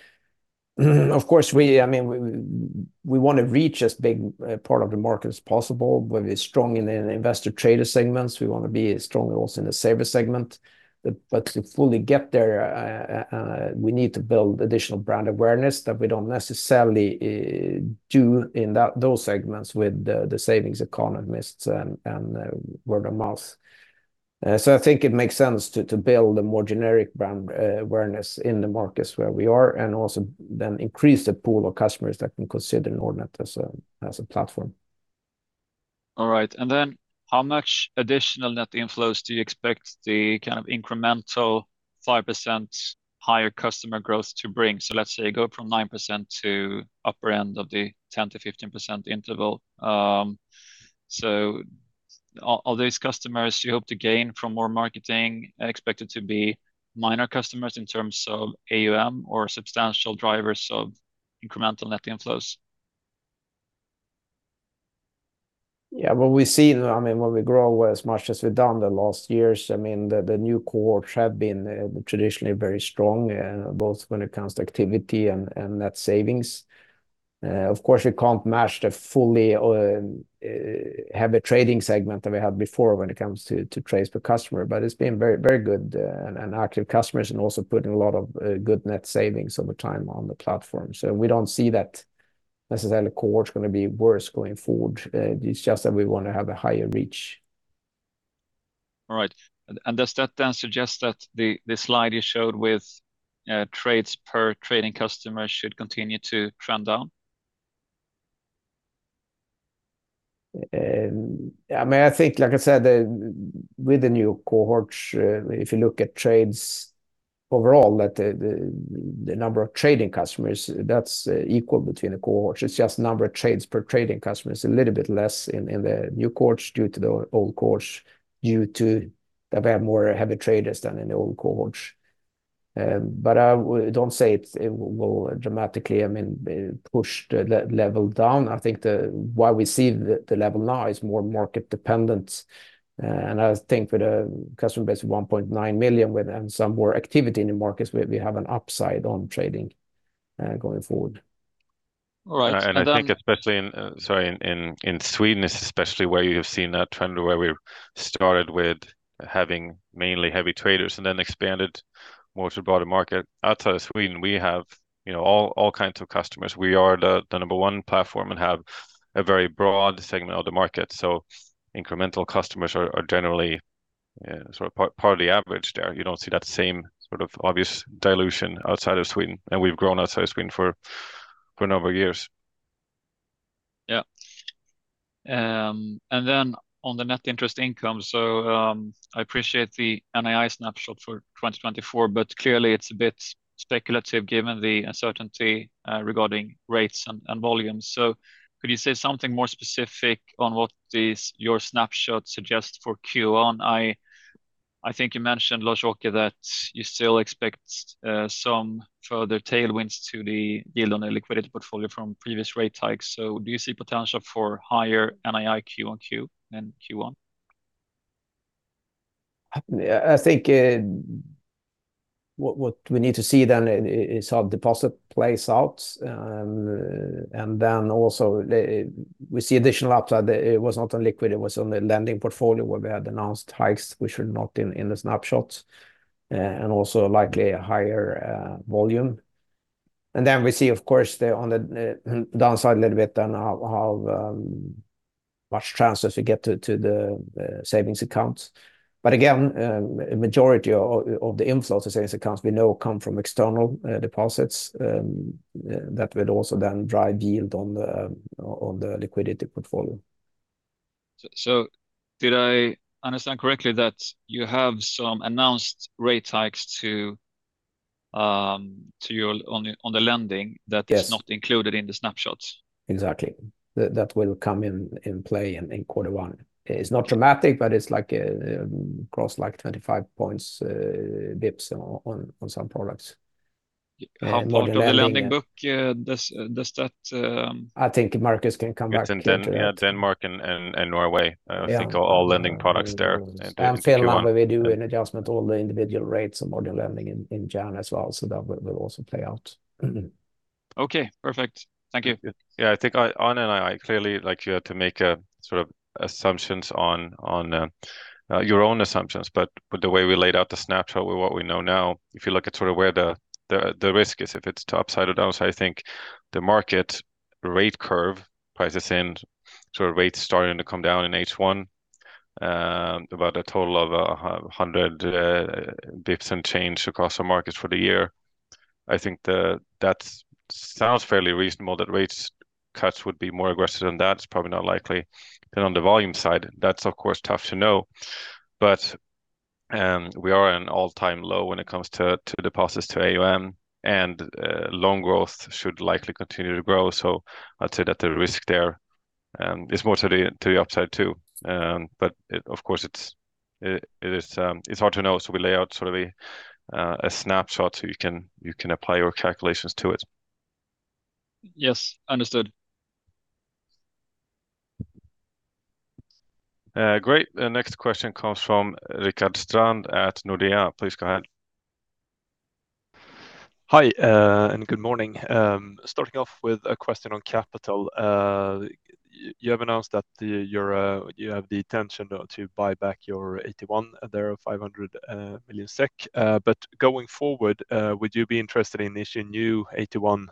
And of course, we, I mean, we wanna reach as big a part of the market as possible. We're very strong in the investor trader segments. We wanna be strong also in the saver segment, but to fully get there, we need to build additional brand awareness that we don't necessarily do in those segments with the savings economists and word of mouth. So I think it makes sense to build a more generic brand awareness in the markets where we are, and also then increase the pool of customers that can consider Nordnet as a platform. All right, and then how much additional net inflows do you expect the kind of incremental 5% higher customer growth to bring? So let's say go from 9% to upper end of the 10%-15% interval. So are these customers you hope to gain from more marketing expected to be minor customers in terms of AUM or substantial drivers of incremental net inflows? Yeah, well, we see, I mean, when we grow as much as we've done the last years, I mean, the new cohorts have been traditionally very strong both when it comes to activity and net savings. Of course, we can't match the fully heavy trading segment that we had before when it comes to trades per customer, but it's been very, very good and active customers, and also putting a lot of good net savings over time on the platform. So we don't see that necessarily cohort's gonna be worse going forward. It's just that we want to have a higher reach. All right. And does that then suggest that the slide you showed with trades per trading customer should continue to trend down? I mean, I think, like I said, with the new cohorts, if you look at trades overall, the number of trading customers that's equal between the cohorts. It's just number of trades per trading customer is a little bit less in the new cohorts due to the old cohorts, due to that we have more heavy traders than in the old cohorts. But I wouldn't say it will dramatically push the level down. I mean, push the level down. I think why we see the level now is more market dependent. And I think with a customer base of 1.9 million and some more activity in the markets, we have an upside on trading going forward. All right, and then. And I think especially in Sweden, especially where you have seen that trend, where we've started with having mainly heavy traders and then expanded more to the broader market. Outside of Sweden, we have, you know, all kinds of customers. We are the number one platform and have a very broad segment of the market, so incremental customers are generally sort of partly average there. You don't see that same sort of obvious dilution outside of Sweden, and we've grown outside Sweden for a number of years. Yeah. And then on the net interest income, so, I appreciate the NII snapshot for 2024, but clearly it's a bit speculative given the uncertainty regarding rates and volumes. So could you say something more specific on what this, your snapshot suggests for Q1? I think you mentioned, Lars-Åke, that you still expect some further tailwinds to the yield on the liquidity portfolio from previous rate hikes. So do you see potential for higher NII QoQ than Q1? I think what we need to see then is how deposit plays out. And then also we see additional upside. It was not on liquid, it was on the lending portfolio, where we had announced hikes, which were not in the snapshots, and also likely a higher volume. And then we see, of course, on the downside a little bit, then how much transfers we get to the savings accounts. But again, a majority of the inflows to savings accounts we know come from external deposits that will also then drive yield on the liquidity portfolio. So, did I understand correctly that you have some announced rate hikes to your, on the lending. Yes. That is not included in the snapshots? Exactly. That will come in play in quarter one. It's not dramatic, but it's like, across, like, 25 points bips on some products. How about the lending book, does that I think Marcus can come back to that. In Denmark and Norway. Yeah. I think all lending products there- Finland, where we do an adjustment, all the individual rates and mortgage lending in January as well, so that will also play out. Okay, perfect. Thank you. Yeah, I think I, Lars and I clearly like you had to make a sort of assumptions on your own assumptions, but with the way we laid out the snapshot with what we know now, if you look at sort of where the risk is, if it's to upside or downside, I think the market rate curve prices in sort of rates starting to come down in H1, about a total of 100 bips and change across the market for the year. I think that sounds fairly reasonable, that rates cuts would be more aggressive than that. It's probably not likely. Then on the volume side, that's of course tough to know. But we are at an all-time low when it comes to deposits to AUM, and loan growth should likely continue to grow. So I'd say that the risk there is more to the upside too. But of course, it is hard to know, so we lay out sort of a snapshot, so you can apply your calculations to it. Yes, understood. Great. The next question comes from Rickard Strand at Nordea. Please go ahead. Hi, and good morning. Starting off with a question on capital. You have announced that the, your, you have the intention to buy back your AT1, and there are 500 million SEK. But going forward, would you be interested in issuing new AT1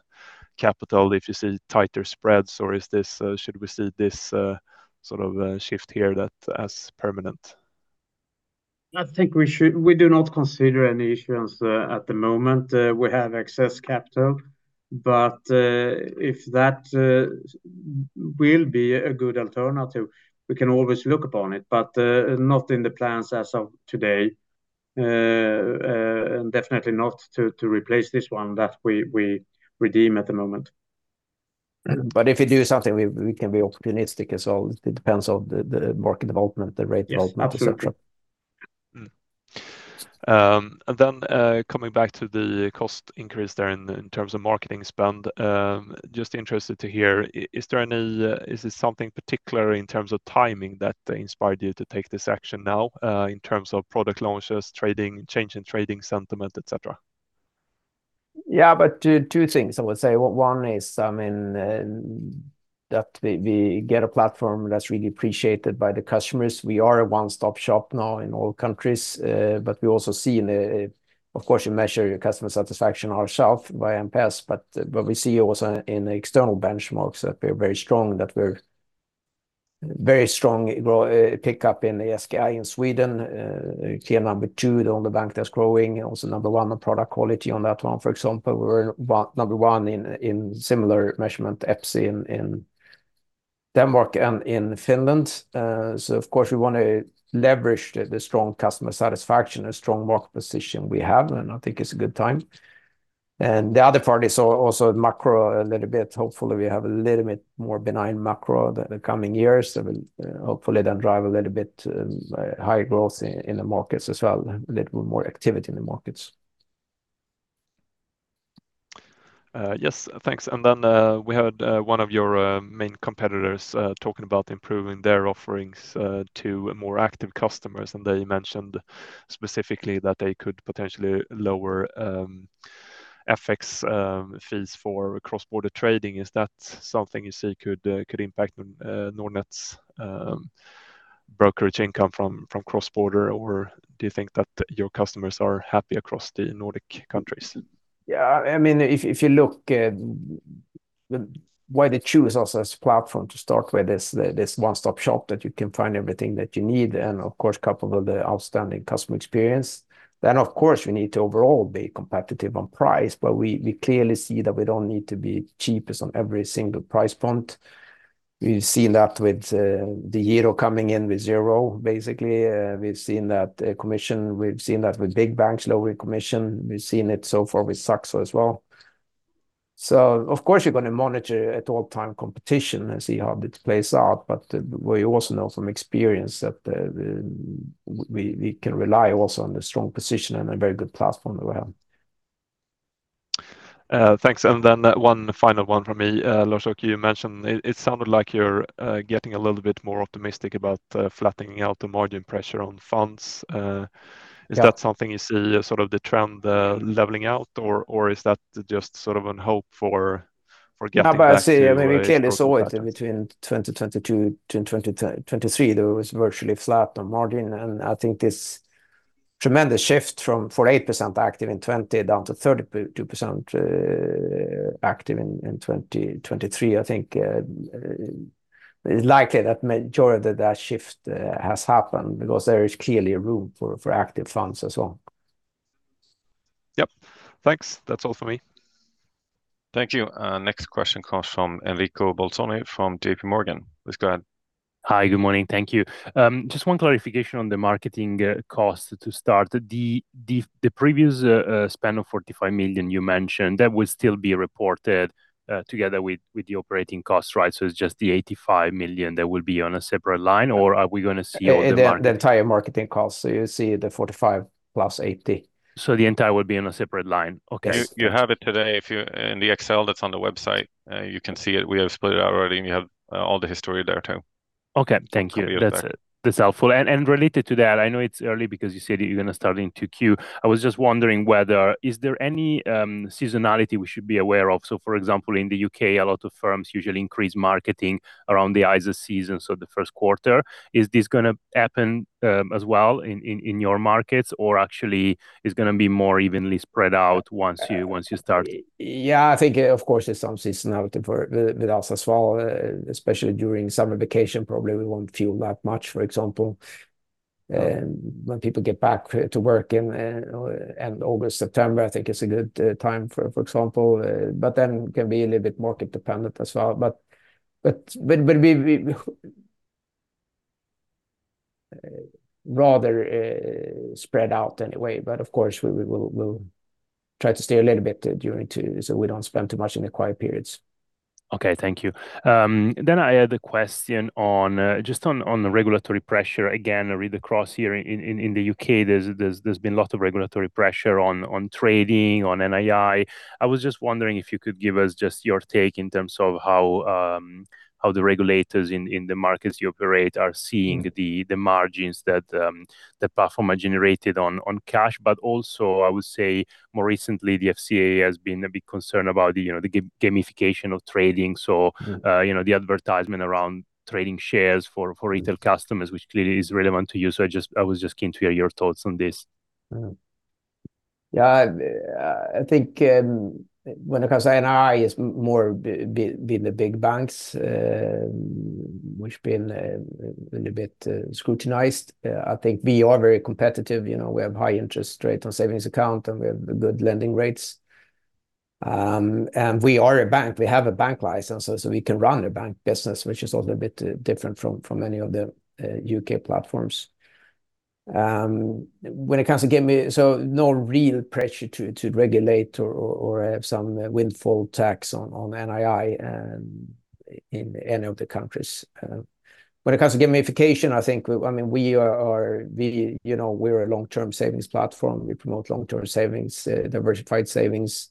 capital if you see tighter spreads? Or is this, should we see this sort of shift here as permanent? We do not consider any issuance at the moment. We have excess capital, but if that will be a good alternative, we can always look upon it, but not in the plans as of today. And definitely not to replace this one that we redeem at the moment. But if we do something, we can be opportunistic as well. It depends on the market development, the rate development, et cetera. Yes, absolutely. Mm-hmm. And then, coming back to the cost increase there in terms of marketing spend, just interested to hear, is there any, is there something particular in terms of timing that inspired you to take this action now, in terms of product launches, trading, change in trading sentiment, et cetera? Yeah, but two things I would say. One is, I mean, that we get a platform that's really appreciated by the customers. We are a one-stop shop now in all countries, but we also see in the, of course, we measure our customer satisfaction ourselves by NPS. But what we see also in external benchmarks, that we're very strong, that we're very strong grow, pick up in the SKI in Sweden, tier number two, on the bank that's growing, and also number one on product quality. On that one, for example, we're number one in similar measurement, EPSI, in Denmark and in Finland. So of course, we want to leverage the strong customer satisfaction and strong market position we have, and I think it's a good time. And the other part is also macro a little bit. Hopefully, we have a little bit more benign macro the coming years, and hopefully then drive a little bit, higher growth in the markets as well, a little more activity in the markets. Yes, thanks. And then, we heard one of your main competitors talking about improving their offerings to more active customers, and they mentioned specifically that they could potentially lower FX fees for cross-border trading. Is that something you see could impact Nordnet's brokerage income from cross-border? Or do you think that your customers are happy across the Nordic countries? Yeah, I mean, if you look at why they choose us as a platform to start with, is this one-stop shop, that you can find everything that you need, and of course, coupled with the outstanding customer experience, then of course, we need to overall be competitive on price. But we clearly see that we don't need to be cheapest on every single price point. We've seen that with DEGIRO coming in with zero, basically. We've seen that commission, we've seen that with big banks, lower commission. We've seen it so far with Saxo as well. So of course, you're gonna monitor at all time competition and see how it plays out, but we also know from experience that we can rely also on the strong position and a very good platform that we have. Thanks. And then one final one from me. Lars, you mentioned. It sounded like you're getting a little bit more optimistic about flattening out the margin pressure on funds. Yeah. Is that something you see as sort of the trend leveling out, or is that just sort of an hope for getting back to. No, but I see, I mean, we clearly saw it in between 2022 to 2023, there was virtually flat on margin. And I think this tremendous shift from 48% active in 2020, down to 32% active in 2023, I think, it's likely that majority of that shift has happened because there is clearly a room for active funds as well. Yep. Thanks. That's all for me. Thank you. Next question comes from Enrico Bolzoni from JPMorgan. Please go ahead. Hi, good morning. Thank you. Just one clarification on the marketing cost to start. The previous spend of 45 million you mentioned, that would still be reported together with the operating cost, right? So it's just the 85 million that will be on a separate line, or are we gonna see all the market. The entire marketing cost, so you see the SEK 45+SEK 80. The entire will be on a separate line. Okay. You have it today. If in the Excel that's on the website, you can see it. We have split it out already, and you have all the history there, too. Okay. Thank you. No problem. That's, that's helpful. And related to that, I know it's early because you said that you're gonna start in Q2. I was just wondering whether there is any seasonality we should be aware of? So, for example, in the U.K., a lot of firms usually increase marketing around the ISA season, so the first quarter. Is this gonna happen as well in your markets, or actually it's gonna be more evenly spread out once you start? Yeah, I think of course, there's some seasonality with us as well, especially during summer vacation, probably we won't feel that much, for example. When people get back to work in August, September, I think is a good time for example, but then can be a little bit market-dependent as well. But we rather spread out anyway. But of course, we'll try to stay a little bit during too, so we don't spend too much in the quiet periods. Okay, thank you. Then I had a question on just the regulatory pressure. Again, read across here in the U.K., there's been a lot of regulatory pressure on trading, on NII. I was just wondering if you could give us just your take in terms of how the regulators in the markets you operate are seeing the margins that the platform are generated on cash. But also, I would say more recently, the FCA has been a bit concerned about, you know, the gamification of trading. So- Mm-hmm You know, the advertisement around trading shares for retail customers, which clearly is relevant to you. I just, I was just keen to hear your thoughts on this. Yeah, I think when it comes to NII, it's more the big banks which been a little bit scrutinized. I think we are very competitive. You know, we have high interest rates on savings account, and we have good lending rates. And we are a bank. We have a bank license, so we can run a bank business, which is also a bit different from any of the UK platforms. When it comes to gaming, so no real pressure to regulate or have some windfall tax on NII in any of the countries. When it comes to gamification, I mean, we are a long-term savings platform. You know, we're a long-term savings platform. We promote long-term savings, diversified savings,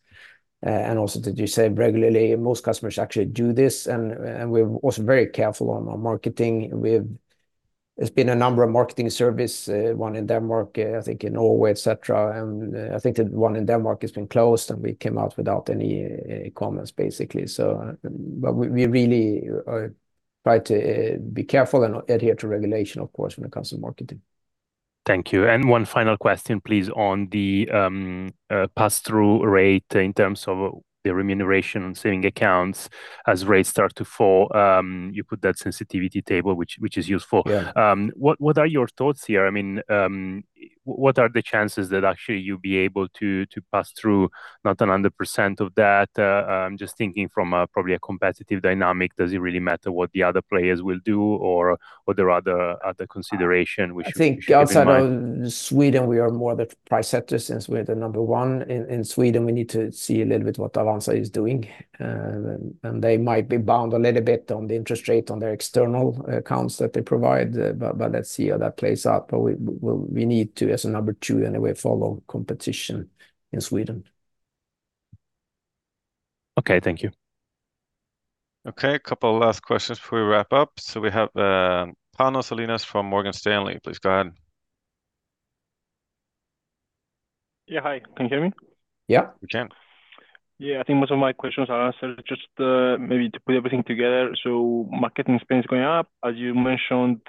and also that you save regularly. Most customers actually do this, and we're also very careful on our marketing. There's been a number of marketing surveys, one in Denmark, I think in Norway, et cetera. And I think the one in Denmark has been closed, and we came out without any comments, basically. So, but we really try to be careful and adhere to regulation, of course, when it comes to marketing. Thank you. One final question, please, on the pass-through rate in terms of the remuneration and savings accounts. As rates start to fall, you put that sensitivity table, which is useful. Yeah. What are your thoughts here? I mean, what are the chances that actually you'll be able to pass through not 100% of that? Just thinking from probably a competitive dynamic, does it really matter what the other players will do, or are there other considerations we should keep in mind? I think outside of Sweden, we are more the price setter since we're the number one. In Sweden, we need to see a little bit what Avanza is doing. And they might be bound a little bit on the interest rate on their external accounts that they provide, but let's see how that plays out. But we need to, as a number two, anyway, follow competition in Sweden. Okay, thank you. Okay, a couple of last questions before we wrap up. So we have, Pablo Salinas from Morgan Stanley. Please go ahead. Yeah, hi. Can you hear me? Yeah, we can. Yeah, I think most of my questions are answered. Just, maybe to put everything together. So marketing spend is going up, as you mentioned,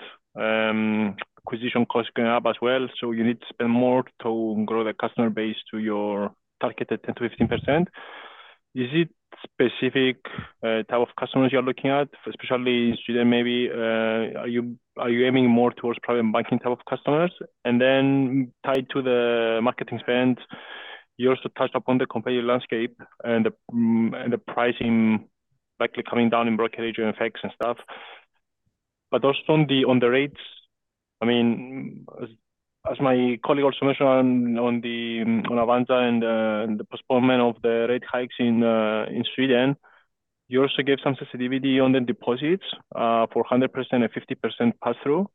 acquisition costs going up as well. So you need to spend more to grow the customer base to your targeted 10%-15%. Is it specific, type of customers you're looking at, especially in Sweden, maybe? Are you aiming more towards private banking type of customers? And then tied to the marketing spend, you also touched upon the competitive landscape and the, and the pricing likely coming down in brokerage and effects and stuff. But also on the rates, I mean, as my colleague also mentioned on Avanza and the postponement of the rate hikes in Sweden, you also gave some sensitivity on the deposits for 100% and 50% pass-through.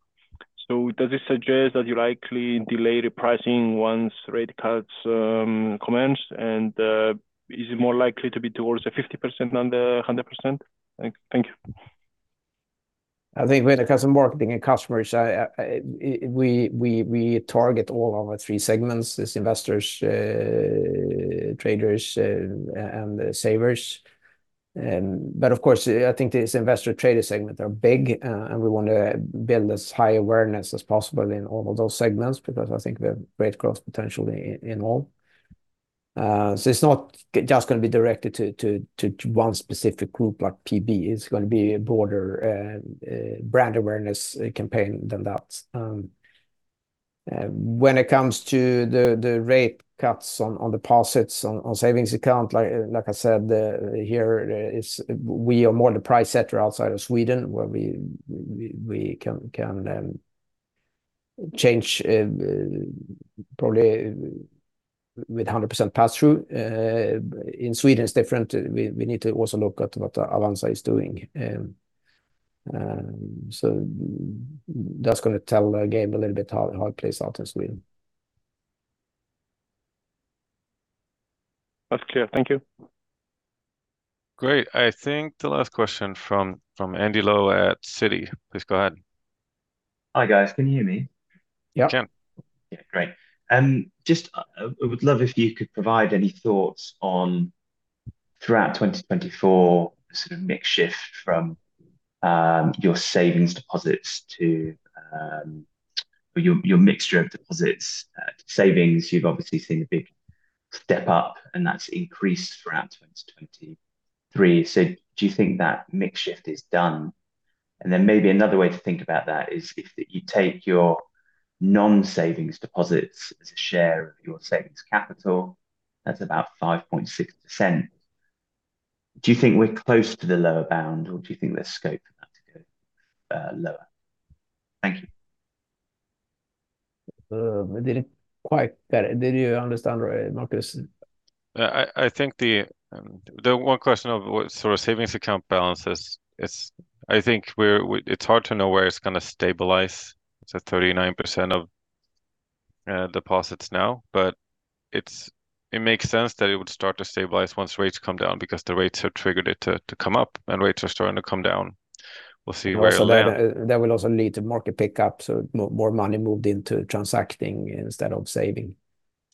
So does this suggest that you likely delay repricing once rate cuts commence, and is it more likely to be towards the 50% than the 100%? Thank you. I think when it comes to marketing and customers, we target all our three segments: investors, traders, and the savers. But of course, I think this investor trader segment are big, and we want to build as high awareness as possible in all of those segments, because I think we have great growth potential in all. So it's not just gonna be directed to one specific group like PB, it's gonna be a broader brand awareness campaign than that. When it comes to the rate cuts on deposits, on savings account, like I said, here is. We are more the price setter outside of Sweden, where we can change probably with a 100% pass-through. In Sweden, it's different. We need to also look at what Avanza is doing. So that's gonna tell the game a little bit how it plays out in Sweden. That's clear. Thank you. Great. I think the last question from Andy Lowe at Citi. Please go ahead. Hi, guys. Can you hear me? Yeah. We can. Yeah, great. Just, I would love if you could provide any thoughts on throughout 2024, sort of mix shift from, your savings deposits to, or your, your mixture of deposits. Savings, you've obviously seen a big step up, and that's increased throughout 2023. So do you think that mix shift is done? And then maybe another way to think about that is if you take your non-savings deposits as a share of your savings capital, that's about 5.6%. Do you think we're close to the lower bound, or do you think there's scope for that to go, lower? Thank you. I didn't quite get it. Did you understand right, Marcus? I think the one question of what sort of savings account balance is. I think it's hard to know where it's gonna stabilize to 39% of deposits now, but it makes sense that it would start to stabilize once rates come down, because the rates have triggered it to come up, and rates are starting to come down. We'll see where. Also, that will also lead to market pick up, so more, more money moved into transacting instead of saving.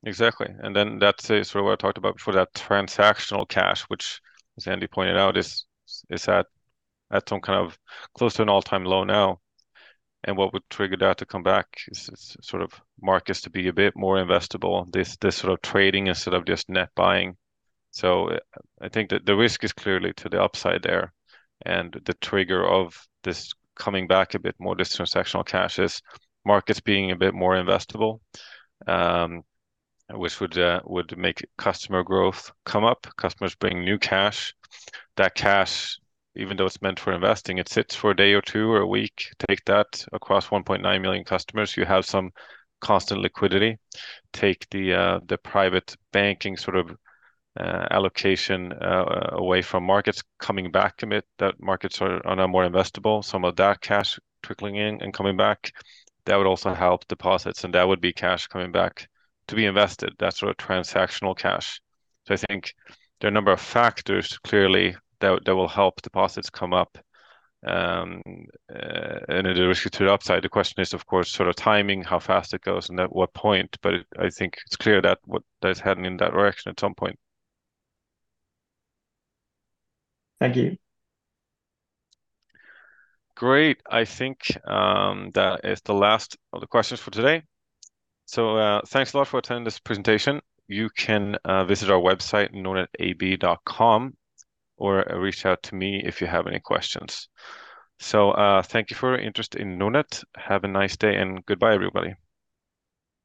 Exactly. And then that is sort of what I talked about before, that transactional cash, which as Andy pointed out, is at some kind of close to an all-time low now. And what would trigger that to come back is sort of markets to be a bit more investable, this sort of trading instead of just net buying. So I think the risk is clearly to the upside there, and the trigger of this coming back a bit more, this transactional cash, is markets being a bit more investable, which would make customer growth come up. Customers bring new cash. That cash, even though it's meant for investing, it sits for a day or two or a week. Take that across 1.9 million customers, you have some constant liquidity. Take the private banking sort of allocation away from markets coming back to it, that markets are now more investable, some of that cash trickling in and coming back, that would also help deposits, and that would be cash coming back to be invested. That's sort of transactional cash. So I think there are a number of factors, clearly, that will help deposits come up, and the risk to the upside. The question is, of course, sort of timing, how fast it goes, and at what point, but I think it's clear that what-- that's heading in that direction at some point. Thank you. Great. I think that is the last of the questions for today. Thanks a lot for attending this presentation. You can visit our website, nordnetab.com, or reach out to me if you have any questions. Thank you for your interest in Nordnet. Have a nice day, and goodbye, everybody.